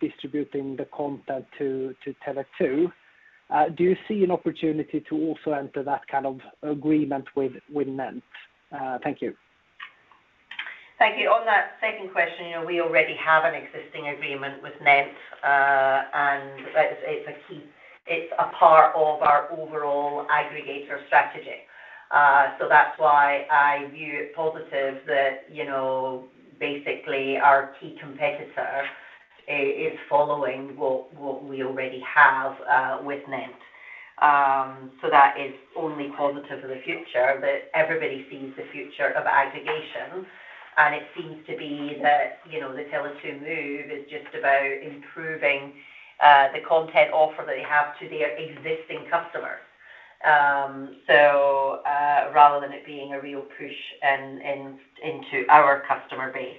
distributing the content to Tele2. Do you see an opportunity to also enter that kind of agreement with NENT? Thank you. Thank you. On that second question, you know, we already have an existing agreement with NENT, and it's a key. It's a part of our overall aggregator strategy. So that's why I view it positive that, you know, basically our key competitor is following what we already have with NENT. So that is only positive for the future, but everybody sees the future of aggregation, and it seems to be that, you know, the Tele2 move is just about improving the content offer that they have to their existing customers. So rather than it being a real push and into our customer base.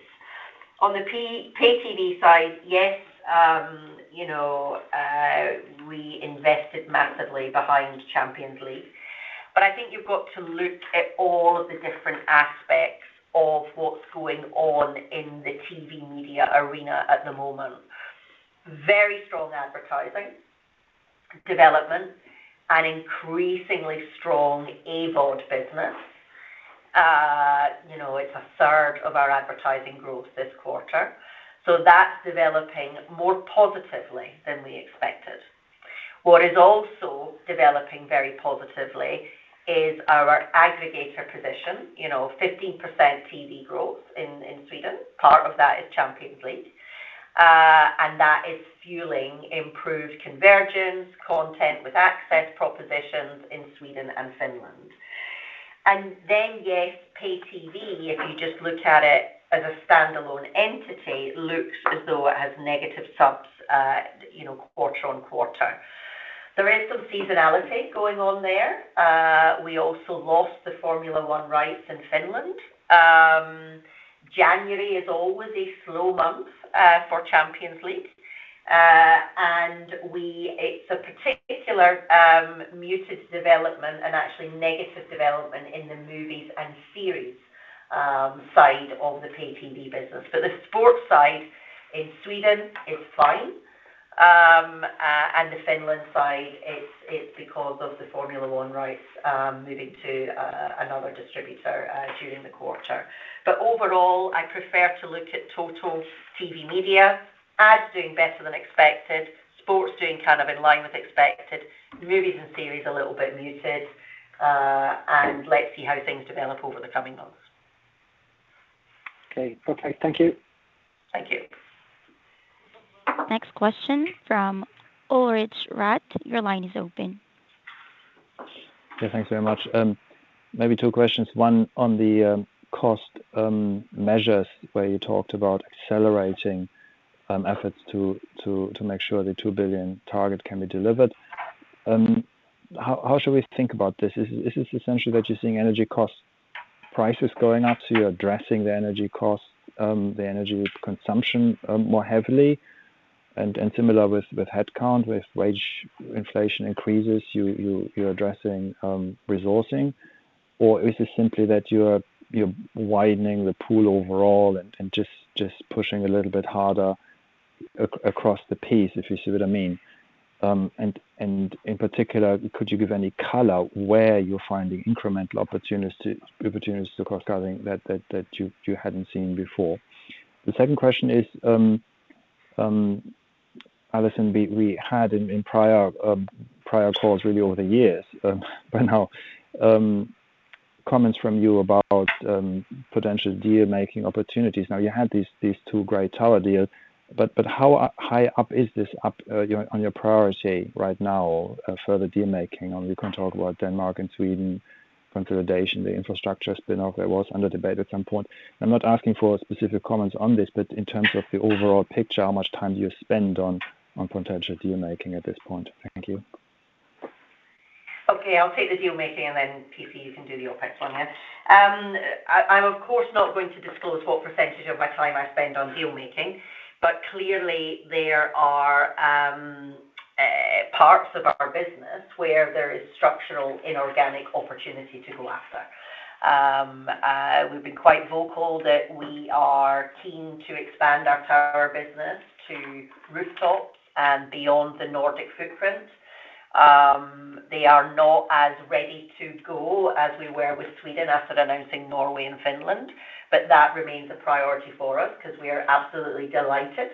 On the pay TV side, yes, you know, we invested massively behind Champions League, but I think you've got to look at all of the different aspects of what's going on in the TV media arena at the moment. Very strong advertising development and increasingly strong AVOD business. You know, it's a third of our advertising growth this quarter, so that's developing more positively than we expected. What is also developing very positively is our aggregator position. You know, 15% TV growth in Sweden. Part of that is Champions League. That is fueling improved convergence, content with access propositions in Sweden and Finland. Then, yes, pay TV, if you just look at it as a standalone entity, looks as though it has negative subs, you know, quarter on quarter. There is some seasonality going on there. We also lost the Formula 1 rights in Finland. January is always a slow month for Champions League. It's a particular muted development and actually negative development in the movies and series side of the pay TV business. The sports side in Sweden is fine. The Finland side, it's because of the Formula 1 rights moving to another distributor during the quarter. Overall, I prefer to look at total TV media. Ads doing better than expected. Sports doing kind of in line with expected. The movies and series a little bit muted. Let's see how things develop over the coming months. Okay. Okay. Thank you. Thank you. Next question from Ulrich Rathe. Your line is open. Yeah, thanks very much. Maybe two questions. One on the cost measures where you talked about accelerating efforts to make sure the 2 billion target can be delivered. How should we think about this? Is this essentially that you're seeing energy costs prices going up, so you're addressing the energy costs, the energy consumption more heavily and similar with headcount, with wage inflation increases, you're addressing resourcing? Or is this simply that you're widening the pool overall and just pushing a little bit harder across the piece, if you see what I mean? In particular, could you give any color where you're finding incremental opportunities to cost cutting that you hadn't seen before? The second question is, Allison, we had in prior calls really over the years, by now, comments from you about potential deal-making opportunities. Now, you had these two great tower deals, but how high up is this on your priority right now for the deal-making? Or you can talk about Denmark and Sweden consolidation, the infrastructure spin off that was under debate at some point. I'm not asking for specific comments on this, but in terms of the overall picture, how much time do you spend on potential deal-making at this point? Thank you. Okay. I'll take the deal-making, and then PC, you can do the OpEx one, yeah. I'm of course not going to disclose what percentage of my time I spend on deal-making, but clearly there are parts of our business where there is structural inorganic opportunity to go after. We've been quite vocal that we are keen to expand our tower business to rooftops and beyond the Nordic footprint. They are not as ready to go as we were with Sweden after announcing Norway and Finland, but that remains a priority for us 'cause we are absolutely delighted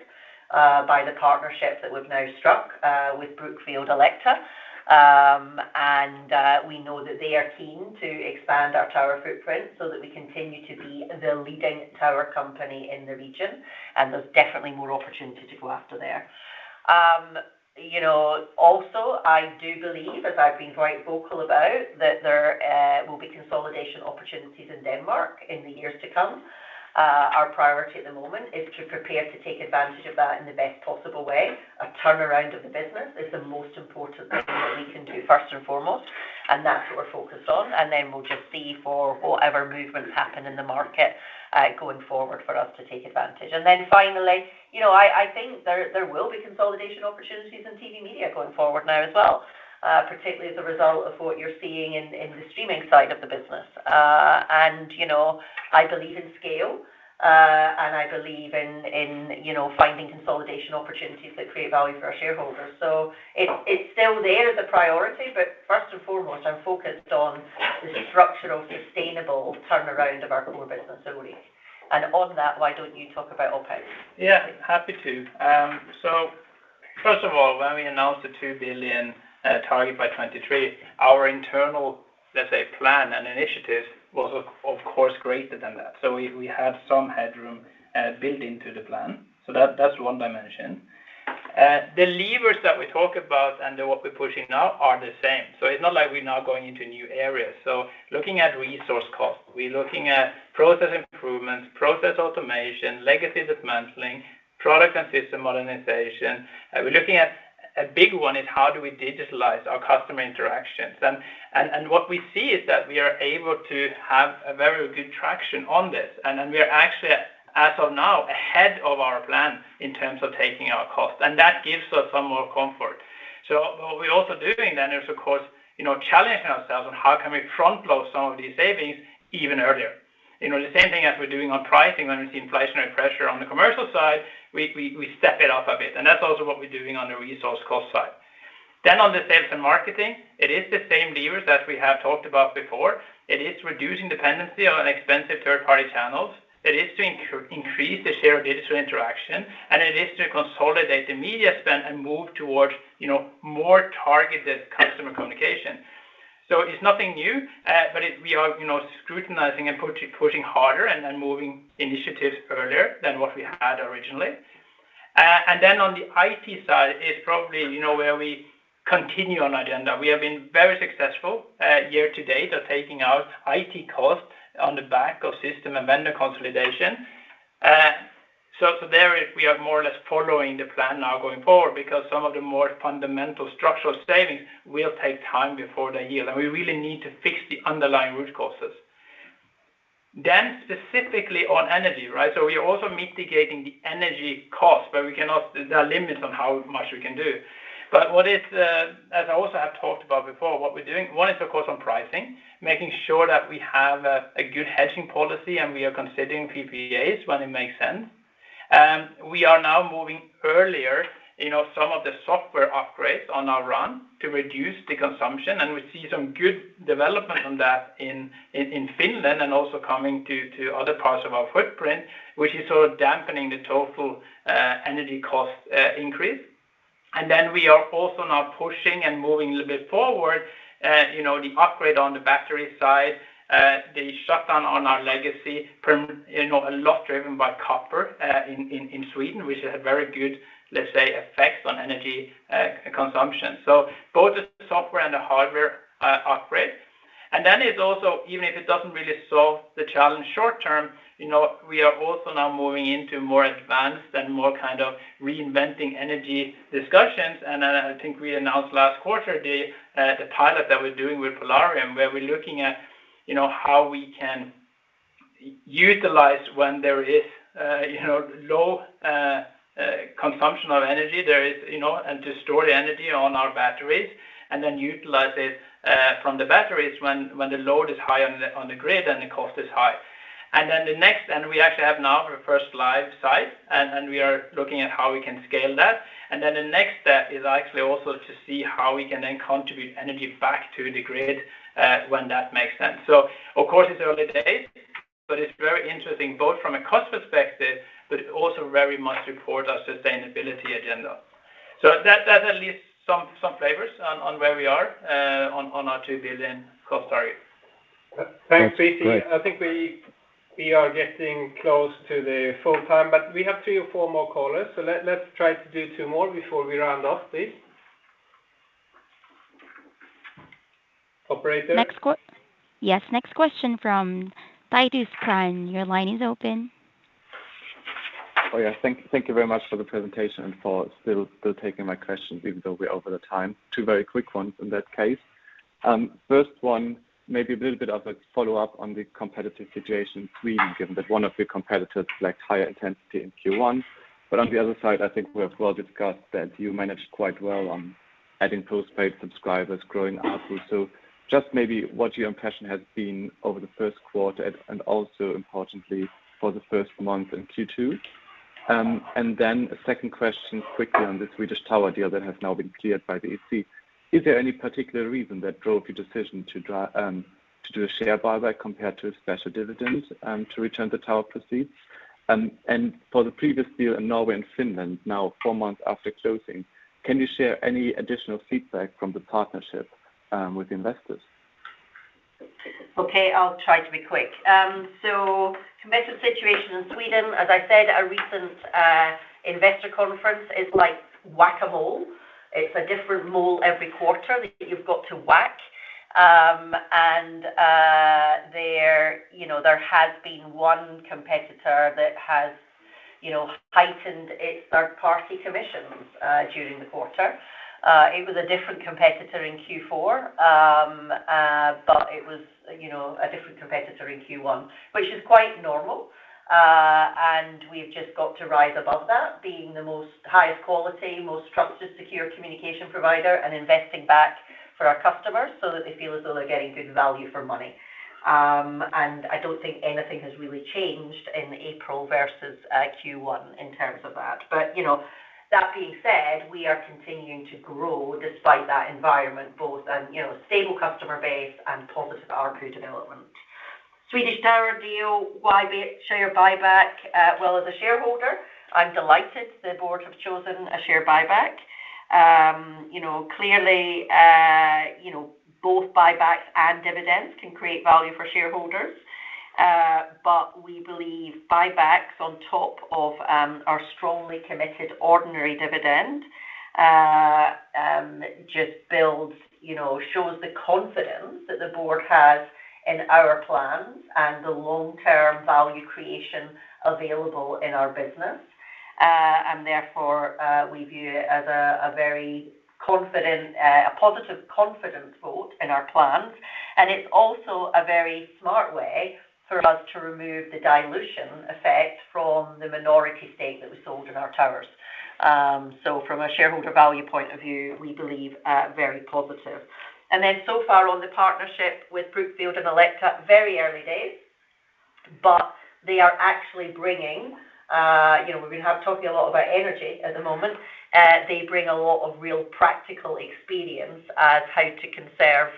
by the partnerships that we've now struck with Brookfield and Alecta. We know that they are keen to expand our tower footprint so that we continue to be the leading tower company in the region, and there's definitely more opportunity to go after there. You know, also, I do believe, as I've been quite vocal about, that there will be consolidation opportunities in Denmark in the years to come. Our priority at the moment is to prepare to take advantage of that in the best possible way. A turnaround of the business is the most important thing that we can do first and foremost, and that's what we're focused on. We'll just see for whatever movements happen in the market, going forward for us to take advantage. Then finally, you know, I think there will be consolidation opportunities in TV media going forward now as well, particularly as a result of what you're seeing in the streaming side of the business. You know, I believe in scale, and I believe in you know, finding consolidation opportunities that create value for our shareholders. It's still there as a priority, but first and foremost, I'm focused on the structural sustainable turnaround of our core business. On that, why don't you talk about OpEx? Yeah. Happy to. First of all, when we announced the 2 billion target by 2023, our internal, let's say, plan and initiative was of course greater than that. We had some headroom built into the plan. That's one dimension. The levers that we talk about and what we're pushing now are the same. It's not like we're now going into new areas. Looking at resource costs, process improvements, process automation, legacy dismantling, product and system modernization. A big one is how we digitalize our customer interactions. And what we see is that we are able to have a very good traction on this. And then we are actually, as of now, ahead of our plan in terms of taking our costs, and that gives us some more comfort. What we're also doing then is, of course, you know, challenging ourselves on how can we front load some of these savings even earlier. You know, the same thing as we're doing on pricing when we see inflationary pressure on the commercial side, we step it up a bit. That's also what we're doing on the resource cost side. On the sales and marketing, it is the same levers that we have talked about before. It is reducing dependency on expensive third-party channels. It is to increase the share of digital interaction, and it is to consolidate the media spend and move towards, you know, more targeted customer communication. It's nothing new, but we are, you know, scrutinizing and pushing harder and moving initiatives earlier than what we had originally. On the IT side is probably, you know, where we continue on agenda. We have been very successful year-to-date at taking out IT costs on the back of system and vendor consolidation. There we are more or less following the plan now going forward because some of the more fundamental structural savings will take time before they yield, and we really need to fix the underlying root causes. Specifically on energy, right? We are also mitigating the energy cost, but we cannot. There are limits on how much we can do. What is, as I also have talked about before, what we're doing. One is of course on pricing, making sure that we have a good hedging policy, and we are considering PPAs when it makes sense. We are now moving earlier, you know, some of the software upgrades on our RAN to reduce the consumption, and we see some good development on that in Finland and also coming to other parts of our footprint, which is sort of dampening the total energy cost increase. Then we are also now pushing and moving a little bit forward, you know, the upgrade on the battery side, the shutdown on our legacy from, you know, a lot driven by copper in Sweden, which had very good, let's say, effects on energy consumption. Both the software and the hardware upgrade. It's also even if it doesn't really solve the challenge short term, you know, we are also now moving into more advanced and more kind of reinventing energy discussions. I think we announced last quarter the pilot that we're doing with Polarium, where we're looking at, you know, how we can utilize when there is low consumption of energy to store the energy on our batteries and then utilize it from the batteries when the load is high on the grid and the cost is high. We actually have now our first live site, and we are looking at how we can scale that. The next step is actually also to see how we can then contribute energy back to the grid, when that makes sense. Of course, it's early days, but it's very interesting both from a cost perspective, but it also very much supports our sustainability agenda. That at least some flavors of where we are on our 2 billion cost target. Thanks, PC. I think we are getting close to the full time, but we have three or four more callers, so let's try to do two more before we round off, please. Operator. Yes, next question from Titus Krahn. Your line is open. Oh, yeah. Thank you very much for the presentation and for still taking my questions even though we're over time. Two very quick ones in that case. First one may be a little bit of a follow-up on the competitive situation in Sweden, given that one of your competitors flagged higher intensity in Q1. On the other side, I think we have well discussed that you managed quite well on adding postpaid subscribers growing ARPU. Just maybe what your impression has been over the first quarter and also importantly for the first month in Q2. And then a second question quickly on the Swedish Tower deal that has now been cleared by the EC. Is there any particular reason that drove your decision to do a share buyback compared to a special dividend to return the tower proceeds? For the previous deal in Norway and Finland, now four months after closing, can you share any additional feedback from the partnership with investors? Okay, I'll try to be quick. The competitive situation in Sweden, as I said at a recent investor conference, is like whack-a-mole. It's a different mole every quarter that you've got to whack. There, you know, there has been one competitor that has, you know, heightened its third-party commissions during the quarter. It was a different competitor in Q4. It was, you know, a different competitor in Q1, which is quite normal. We've just got to rise above that being the most highest quality, most trusted, secure communication provider and investing back for our customers so that they feel as though they're getting good value for money. I don't think anything has really changed in April versus Q1 in terms of that. You know, that being said, we are continuing to grow despite that environment both in, you know, stable customer base and positive ARPU development. Swedish Tower deal, why the share buyback? As a shareholder, I'm delighted the board have chosen a share buyback. You know, clearly, you know, both buybacks and dividends can create value for shareholders. But we believe buybacks on top of our strongly committed ordinary dividend just builds, you know, shows the confidence that the board has in our plans and the long-term value creation available in our business. Therefore, we view it as a very confident, a positive confidence vote in our plans. It's also a very smart way for us to remove the dilution effect from the minority stake that we sold in our towers. From a shareholder value point of view, we believe very positive. So far on the partnership with Brookfield and Alecta, very early days, but they are actually bringing, you know, we've been talking a lot about energy at the moment. They bring a lot of real practical experience on how to conserve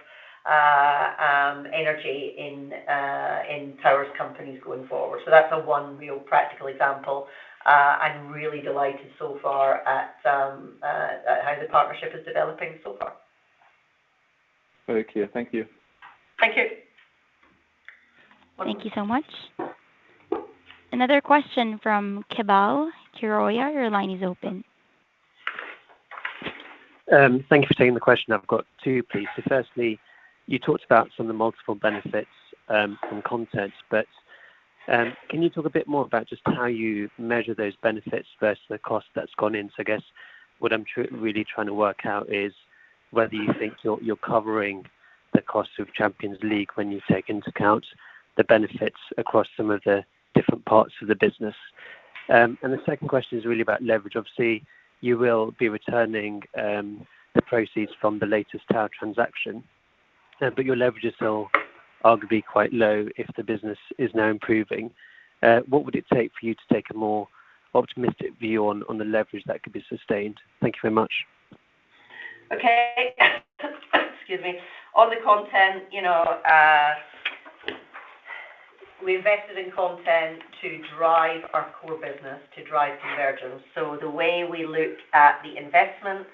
energy in tower companies going forward. That's one real practical example. I'm really delighted so far at how the partnership is developing so far. Very clear. Thank you. Thank you. Thank you so much. Another question from Keval Khiroya. Your line is open. Thank you for taking the question. I've got two, please. Firstly, you talked about some of the multiple benefits from content, but can you talk a bit more about just how you measure those benefits versus the cost that's gone in? I guess what I'm really trying to work out is whether you think you're covering the cost of Champions League when you take into account the benefits across some of the different parts of the business. The second question is really about leverage. Obviously, you will be returning the proceeds from the latest tower transaction, but your leverage is still arguably quite low if the business is now improving. What would it take for you to take a more optimistic view on the leverage that could be sustained? Thank you very much. Okay. Excuse me. On the content, you know, we invested in content to drive our core business, to drive convergence. The way we look at the investment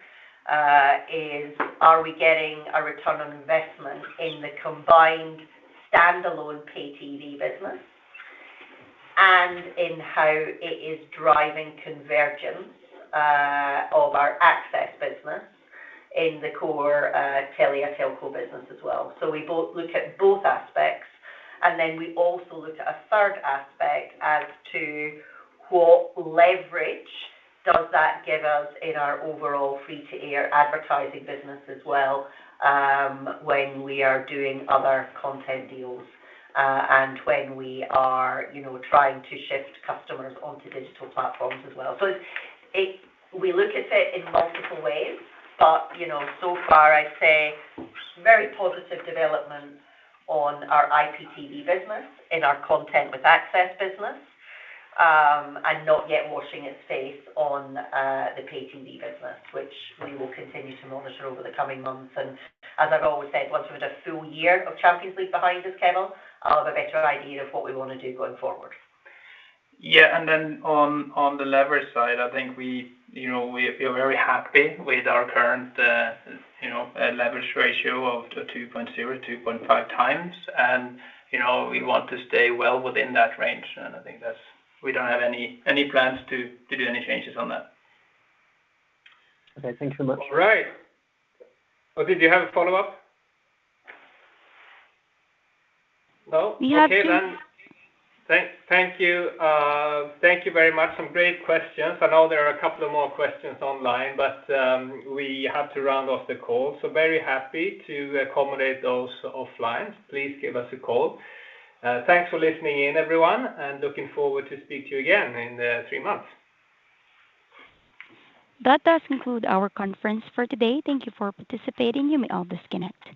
is are we getting a return on investment in the combined standalone pay TV business? And in how it is driving convergence of our access business in the core Telia telco business as well. We both look at both aspects, and then we also look at a third aspect as to what leverage does that give us in our overall free-to-air advertising business as well, when we are doing other content deals, and when we are, you know, trying to shift customers onto digital platforms as well. We look at it in multiple ways, but, you know, so far I'd say very positive development on our IPTV business, in our content and access business, and not yet washing its face on the pay TV business, which we will continue to monitor over the coming months. As I've always said, once we've a full year of Champions League behind us, Kenneth, I'll have a better idea of what we wanna do going forward. Yeah. Then on the leverage side, I think, you know, we're very happy with our current, you know, leverage ratio of 2.0-2.5 times. You know, we want to stay well within that range. I think that's. We don't have any plans to do any changes on that. Okay. Thank you so much. All right. Did you have a follow-up? No? We have two- Okay, thank you. Thank you very much. Some great questions. I know there are a couple of more questions online, but we have to round off the call, so very happy to accommodate those offline. Please give us a call. Thanks for listening in, everyone, and looking forward to speak to you again in three months. That does conclude our conference for today. Thank you for participating. You may all disconnect.